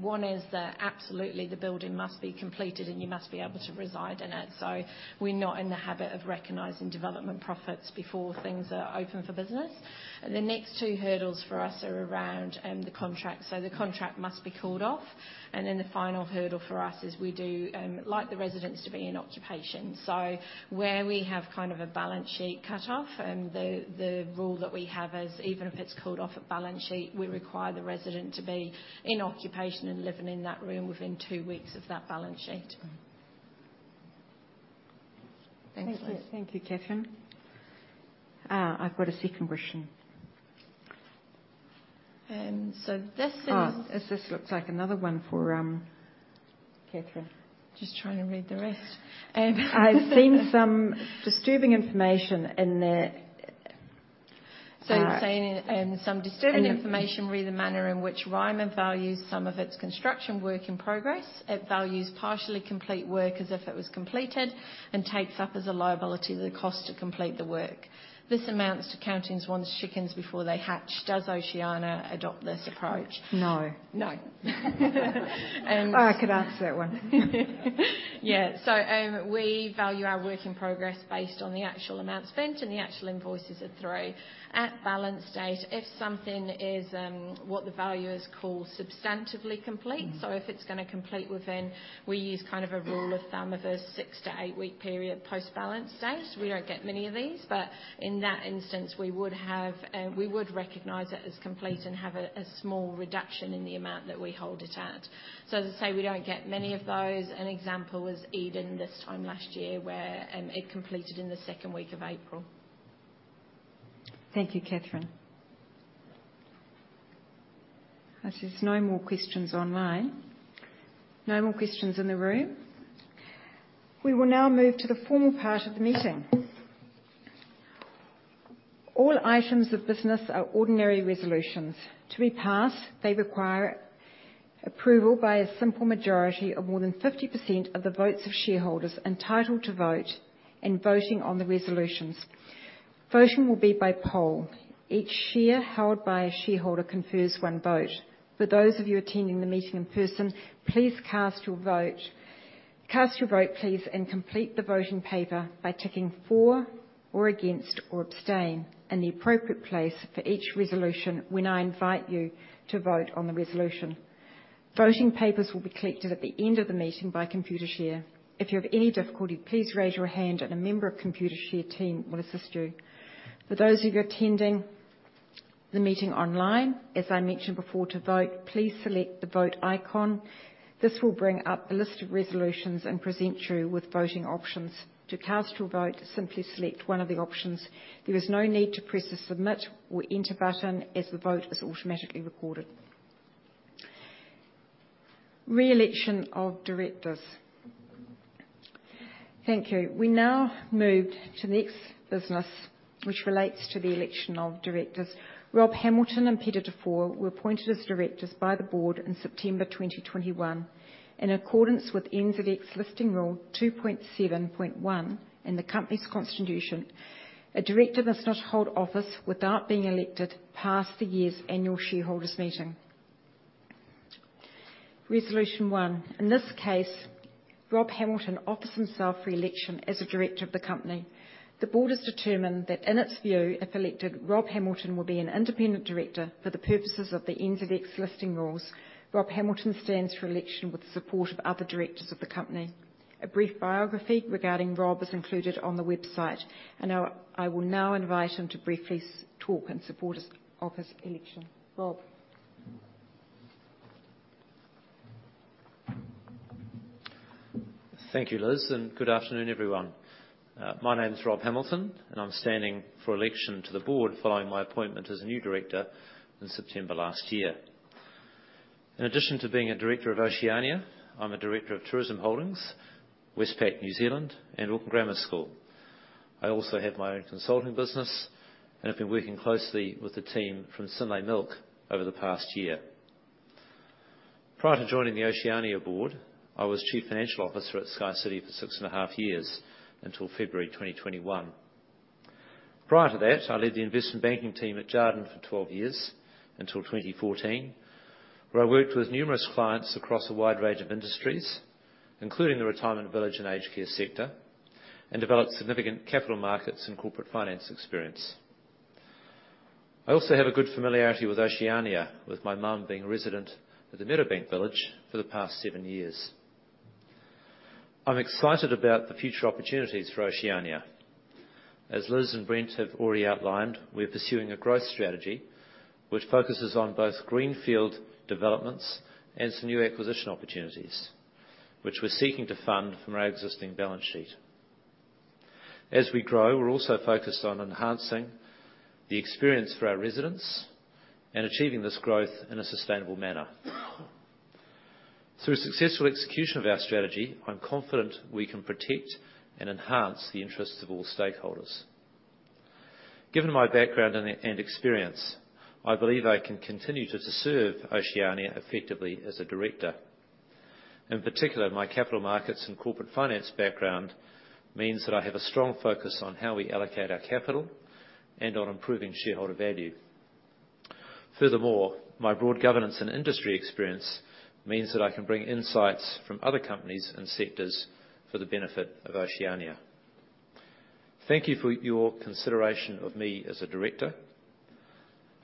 One is that absolutely the building must be completed, and you must be able to reside in it. We're not in the habit of recognizing development profits before things are open for business. The next two hurdles for us are around the contract. The contract must be called off. The final hurdle for us is we do like the residents to be in occupation. Where we have kind of a balance sheet cutoff, the rule that we have is even if it's called off at balance sheet, we require the resident to be in occupation and living in that room within two weeks of that balance sheet. Thank you. Thank you, Kathryn. I've got a second question. This is. Oh, this looks like another one for Kathryn. Just trying to read the rest. I've seen some disturbing information in the. It's saying some disturbing information re: the manner in which Ryman values some of its construction work in progress. It values partially complete work as if it was completed and takes up as a liability the cost to complete the work. This amounts to counting one's chickens before they hatch. Does Oceania adopt this approach? No. No. I can answer that one. Yeah, we value our work in progress based on the actual amount spent and the actual invoices are through. At balance date, if something is what the valuers call substantively complete. Mm-hmm. If it's gonna complete within, we use kind of a rule of thumb of a six-eight-week period post balance date. We don't get many of these, but in that instance, we would recognize it as complete and have a small reduction in the amount that we hold it at. As I say, we don't get many of those. An example was Eden this time last year, where it completed in the second week of April. Thank you, Kathryn. As there's no more questions online, no more questions in the room, we will now move to the formal part of the meeting. All items of business are ordinary resolutions. To be passed, they require approval by a simple majority of more than 50% of the votes of shareholders entitled to vote and voting on the resolutions. Voting will be by poll. Each share held by a shareholder confers one vote. For those of you attending the meeting in person, please cast your vote. Cast your vote, please, and complete the voting paper by ticking for or against or abstain in the appropriate place for each resolution when I invite you to vote on the resolution. Voting papers will be collected at the end of the meeting by Computershare. If you have any difficulty, please raise your hand and a member of Computershare team will assist you. For those of you attending the meeting online, as I mentioned before, to vote, please select the Vote icon. This will bring up a list of resolutions and present you with voting options. To cast your vote, simply select one of the options. There is no need to press the Submit or Enter button as the vote is automatically recorded. Re-election of directors. Thank you. We now move to the next business, which relates to the election of directors. Rob Hamilton and Peter Dufour were appointed as directors by the board in September 2021. In accordance with NZX Listing Rule 2.7.1 in the company's constitution, a director must not hold office without being elected past the year's annual shareholders' meeting. Resolution one. In this case, Rob Hamilton offers himself re-election as a director of the company. The board has determined that, in its view, if elected, Rob Hamilton will be an independent director for the purposes of the NZX Listing Rules. Rob Hamilton stands for election with support of other directors of the company. A brief biography regarding Rob is included on the website, and I will now invite him to briefly speak in support of his election. Rob. Thank you, Liz, and good afternoon, everyone. My name is Rob Hamilton, and I'm standing for election to the board following my appointment as a new director in September last year. In addition to being a director of Oceania, I'm a director of Tourism Holdings, Westpac New Zealand, and Auckland Grammar School. I also have my own consulting business, and I've been working closely with the team from Synlait Milk over the past year. Prior to joining the Oceania board, I was Chief Financial Officer at SkyCity for six and a half years until February 2021. Prior to that, I led the investment banking team at Jarden for 12 years until 2014, where I worked with numerous clients across a wide range of industries, including the retirement village and aged care sector, and developed significant capital markets and corporate finance experience. I also have a good familiarity with Oceania, with my mom being a resident at the Meadowbank village for the past seven years. I'm excited about the future opportunities for Oceania. As Liz and Brent have already outlined, we're pursuing a growth strategy which focuses on both greenfield developments and some new acquisition opportunities, which we're seeking to fund from our existing balance sheet. As we grow, we're also focused on enhancing the experience for our residents and achieving this growth in a sustainable manner. Through successful execution of our strategy, I'm confident we can protect and enhance the interests of all stakeholders. Given my background and experience, I believe I can continue to serve Oceania effectively as a director. In particular, my capital markets and corporate finance background means that I have a strong focus on how we allocate our capital and on improving shareholder value. Furthermore, my broad governance and industry experience means that I can bring insights from other companies and sectors for the benefit of Oceania. Thank you for your consideration of me as a director.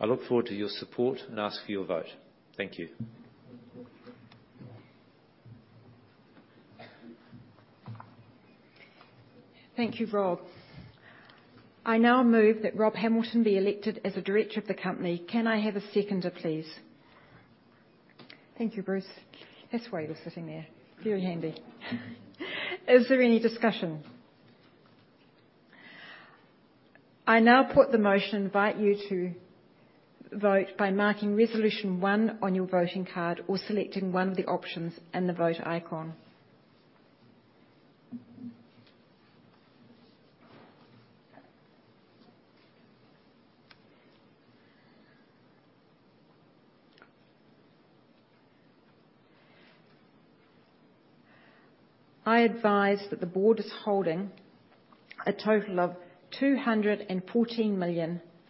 I look forward to your support and ask for your vote. Thank you. Thank you, Rob. I now move that Rob Hamilton be elected as a director of the company. Can I have a seconder, please? Thank you, Bruce. That's why you're sitting there. Very handy. Is there any discussion? I now put the motion and invite you to vote by marking resolution one on your voting card or selecting one of the options in the Vote icon. I advise that the board is holding a total of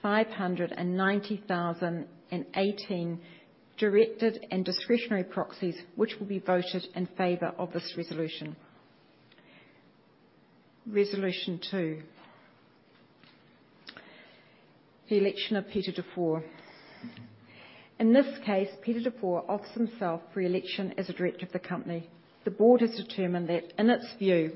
214,590,018 directed and discretionary proxies, which will be voted in favor of this resolution. Resolution two. The election of Peter Dufour. In this case, Peter Dufour offers himself for re-election as a director of the company. The board has determined that, in its view,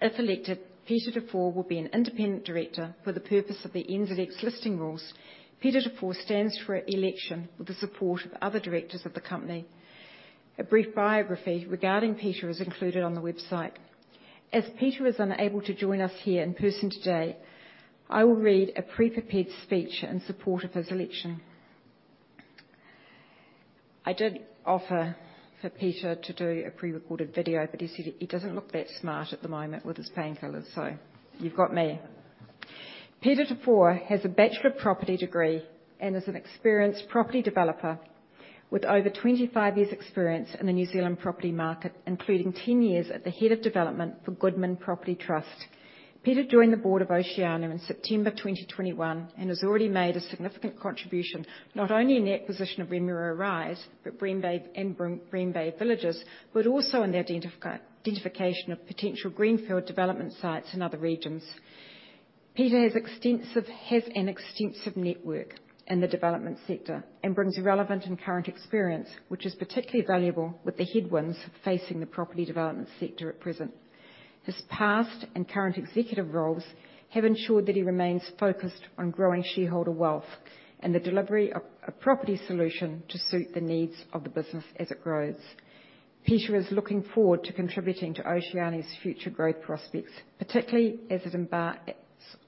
if elected, Peter Dufour will be an independent director for the purpose of the NZX Listing Rules. Peter Dufour stands for election with the support of other directors of the company. A brief biography regarding Peter is included on the website. As Peter is unable to join us here in person today, I will read a pre-prepared speech in support of his election. I did offer for Peter to do a pre-recorded video, but he said he doesn't look that smart at the moment with his painkillers, so you've got me. Peter Dufour has a Bachelor of Property degree and is an experienced property developer with over 25 years experience in the New Zealand property market, including 10 years at the head of development for Goodman Property Trust. Peter joined the board of Oceania in September 2021 and has already made a significant contribution, not only in the acquisition of Remuera Rise, but Green Bay and Green Bay Villages, but also in the identification of potential greenfield development sites in other regions. Peter has an extensive network in the development sector and brings relevant and current experience, which is particularly valuable with the headwinds facing the property development sector at present. His past and current executive roles have ensured that he remains focused on growing shareholder wealth and the delivery of a property solution to suit the needs of the business as it grows. Peter is looking forward to contributing to Oceania's future growth prospects, particularly as it embarks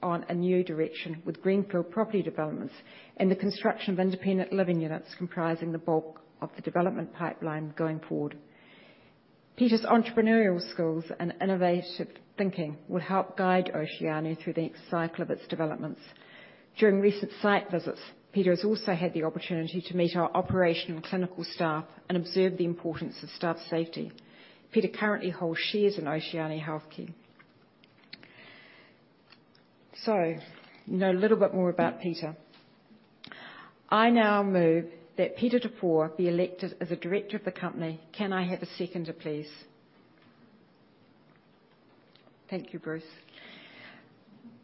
on a new direction with greenfield property developments and the construction of independent living units comprising the bulk of the development pipeline going forward. Peter's entrepreneurial skills and innovative thinking will help guide Oceania through the next cycle of its developments. During recent site visits, Peter has also had the opportunity to meet our operational and clinical staff and observe the importance of staff safety. Peter currently holds shares in Oceania Healthcare. You know a little bit more about Peter. I now move that Peter Dufour be elected as a director of the company. Can I have a seconder, please? Thank you, Bruce.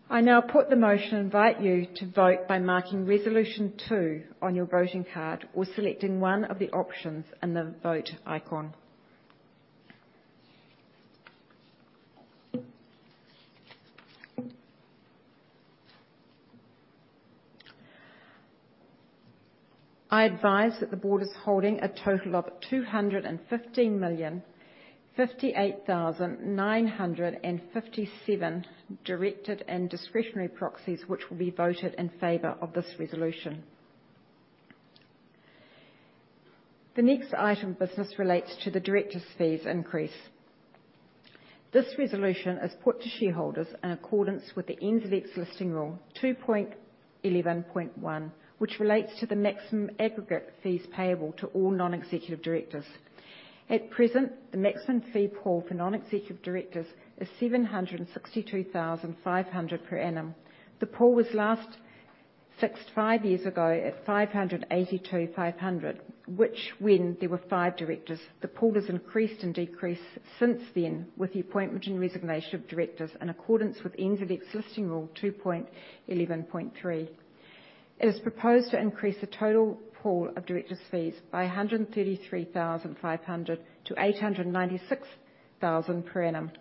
I now put the motion and invite you to vote by marking resolution two on your voting card or selecting one of the options in the vote icon. I advise that the board is holding a total of 215,058,957 directed and discretionary proxies which will be voted in favor of this resolution. The next item of business relates to the directors' fees increase. This resolution is put to shareholders in accordance with the NZX Listing Rule 2.11.1, which relates to the maximum aggregate fees payable to all non-executive directors. At present, the maximum fee pool for non-executive directors is 762,500 per annum. The pool was last fixed five years ago at 582,500, which when there were five directors. The pool has increased and decreased since then with the appointment and resignation of directors in accordance with NZX Listing Rule 2.11.3. It is proposed to increase the total pool of directors' fees by 133,500 to 896,000 per annum,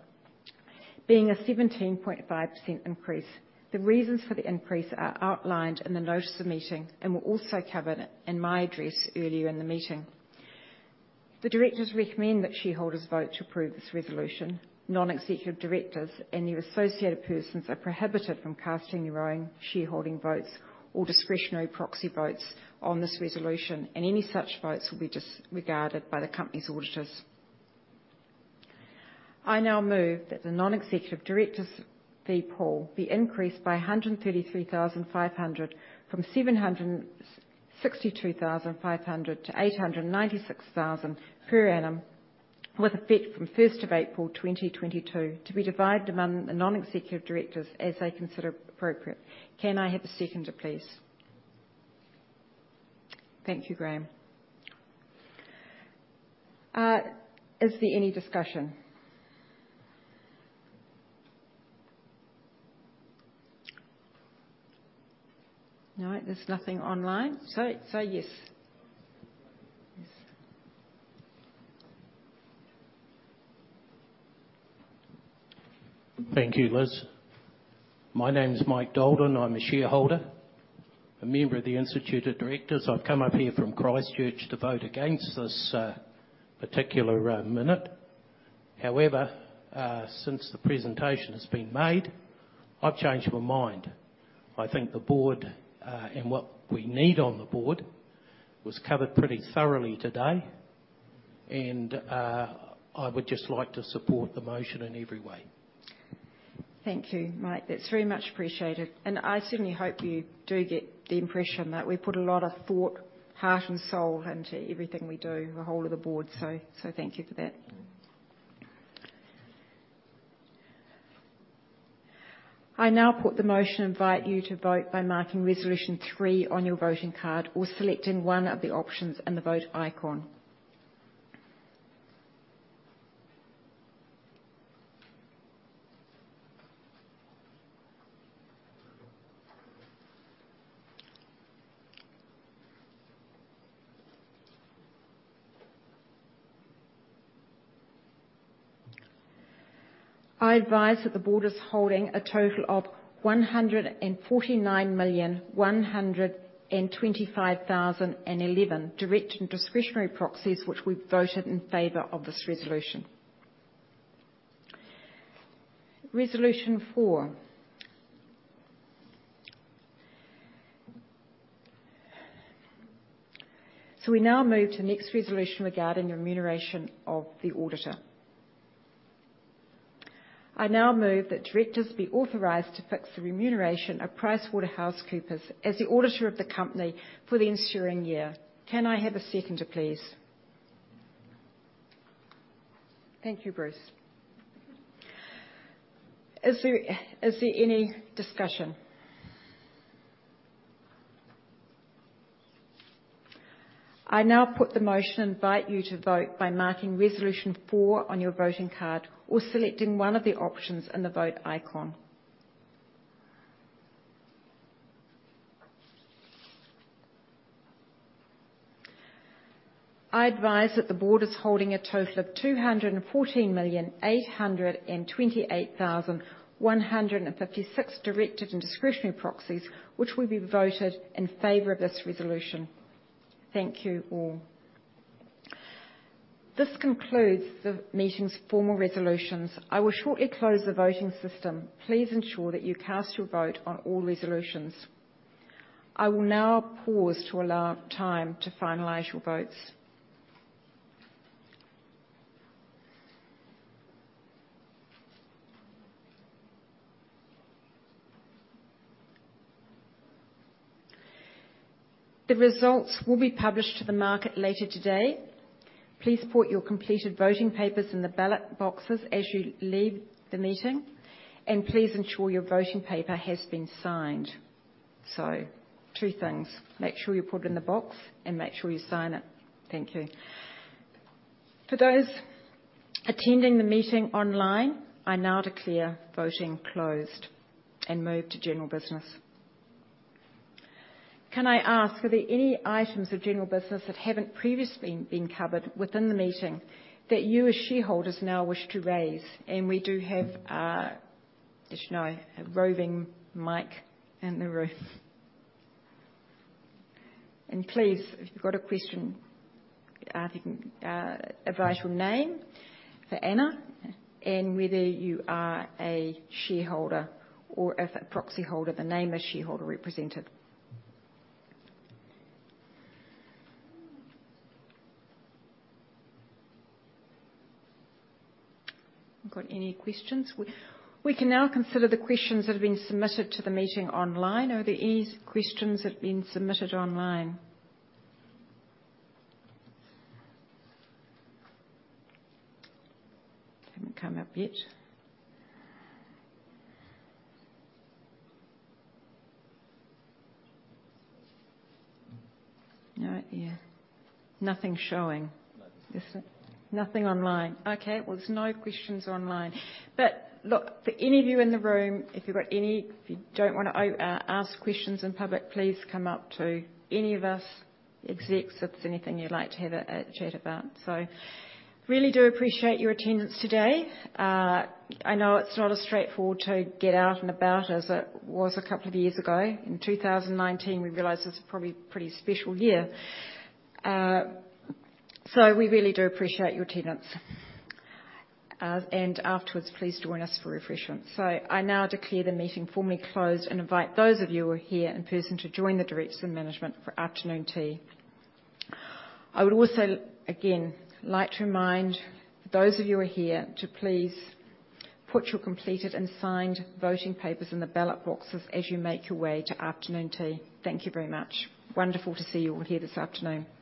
being a 17.5% increase. The reasons for the increase are outlined in the notice of meeting and were also covered in my address earlier in the meeting. The directors recommend that shareholders vote to approve this resolution. Non-executive directors and their associated persons are prohibited from casting their own shareholding votes or discretionary proxy votes on this resolution, and any such votes will be disregarded by the company's auditors. I now move that the non-executive directors' fee pool be increased by 133,500 from 762,500 to 896,000 per annum with effect from first of April, 2022 to be divided among the non-executive directors as they consider appropriate. Can I have a seconder, please? Thank you, Graeme. Is there any discussion? No, there's nothing online. So yes. Thank you, Liz. My name is Mike Dalton. I'm a shareholder, a member of the Institute of Directors. I've come up here from Christchurch to vote against this particular minute. However, since the presentation has been made, I've changed my mind. I think the board and what we need on the board was covered pretty thoroughly today, and I would just like to support the motion in every way. Thank you, Mike. That's very much appreciated. I certainly hope you do get the impression that we put a lot of thought, heart and soul into everything we do, the whole of the board. Thank you for that. I now put the motion and invite you to vote by marking resolution three on your voting card or selecting one of the options in the vote icon. I advise that the board is holding a total of 149,125,011 direct and discretionary proxies, which we've voted in favor of this resolution. Resolution four. We now move to the next resolution regarding the remuneration of the auditor. I now move that directors be authorized to fix the remuneration of PricewaterhouseCoopers as the auditor of the company for the ensuing year. Can I have a seconder, please? Thank you, Bruce. Is there any discussion? I now put the motion and invite you to vote by marking resolution four on your voting card or selecting one of the options in the vote icon. I advise that the board is holding a total of 214,828,156 directed and discretionary proxies which will be voted in favor of this resolution. Thank you all. This concludes the meeting's formal resolutions. I will shortly close the voting system. Please ensure that you cast your vote on all resolutions. I will now pause to allow time to finalize your votes. The results will be published to the market later today. Please put your completed voting papers in the ballot boxes as you leave the meeting. Please ensure your voting paper has been signed. Two things. Make sure you put it in the box and make sure you sign it. Thank you. For those attending the meeting online, I now declare voting closed and move to general business. Can I ask, are there any items of general business that haven't previously been covered within the meeting that you as shareholders now wish to raise? We do have, just now, a roving mic in the room. Please, if you've got a question, if you can, advise your name for Anna and whether you are a shareholder or if a proxy holder, the name of shareholder represented. Got any questions? We can now consider the questions that have been submitted to the meeting online. Are there any questions that have been submitted online? Haven't come up yet. Not yet. Nothing showing. Nothing. Nothing online. Okay. Well, there's no questions online. But look, for any of you in the room, if you've got any. If you don't wanna ask questions in public, please come up to any of us execs if there's anything you'd like to have a chat about. Really do appreciate your attendance today. I know it's not as straightforward to get out and about as it was a couple of years ago. In 2019, we realized this is probably pretty special year. We really do appreciate your attendance. Afterwards, please join us for refreshments. I now declare the meeting formally closed and invite those of you who are here in person to join the directors and management for afternoon tea. I would also, again, like to remind those of you who are here to please put your completed and signed voting papers in the ballot boxes as you make your way to afternoon tea. Thank you very much. Wonderful to see you all here this afternoon. Thank you.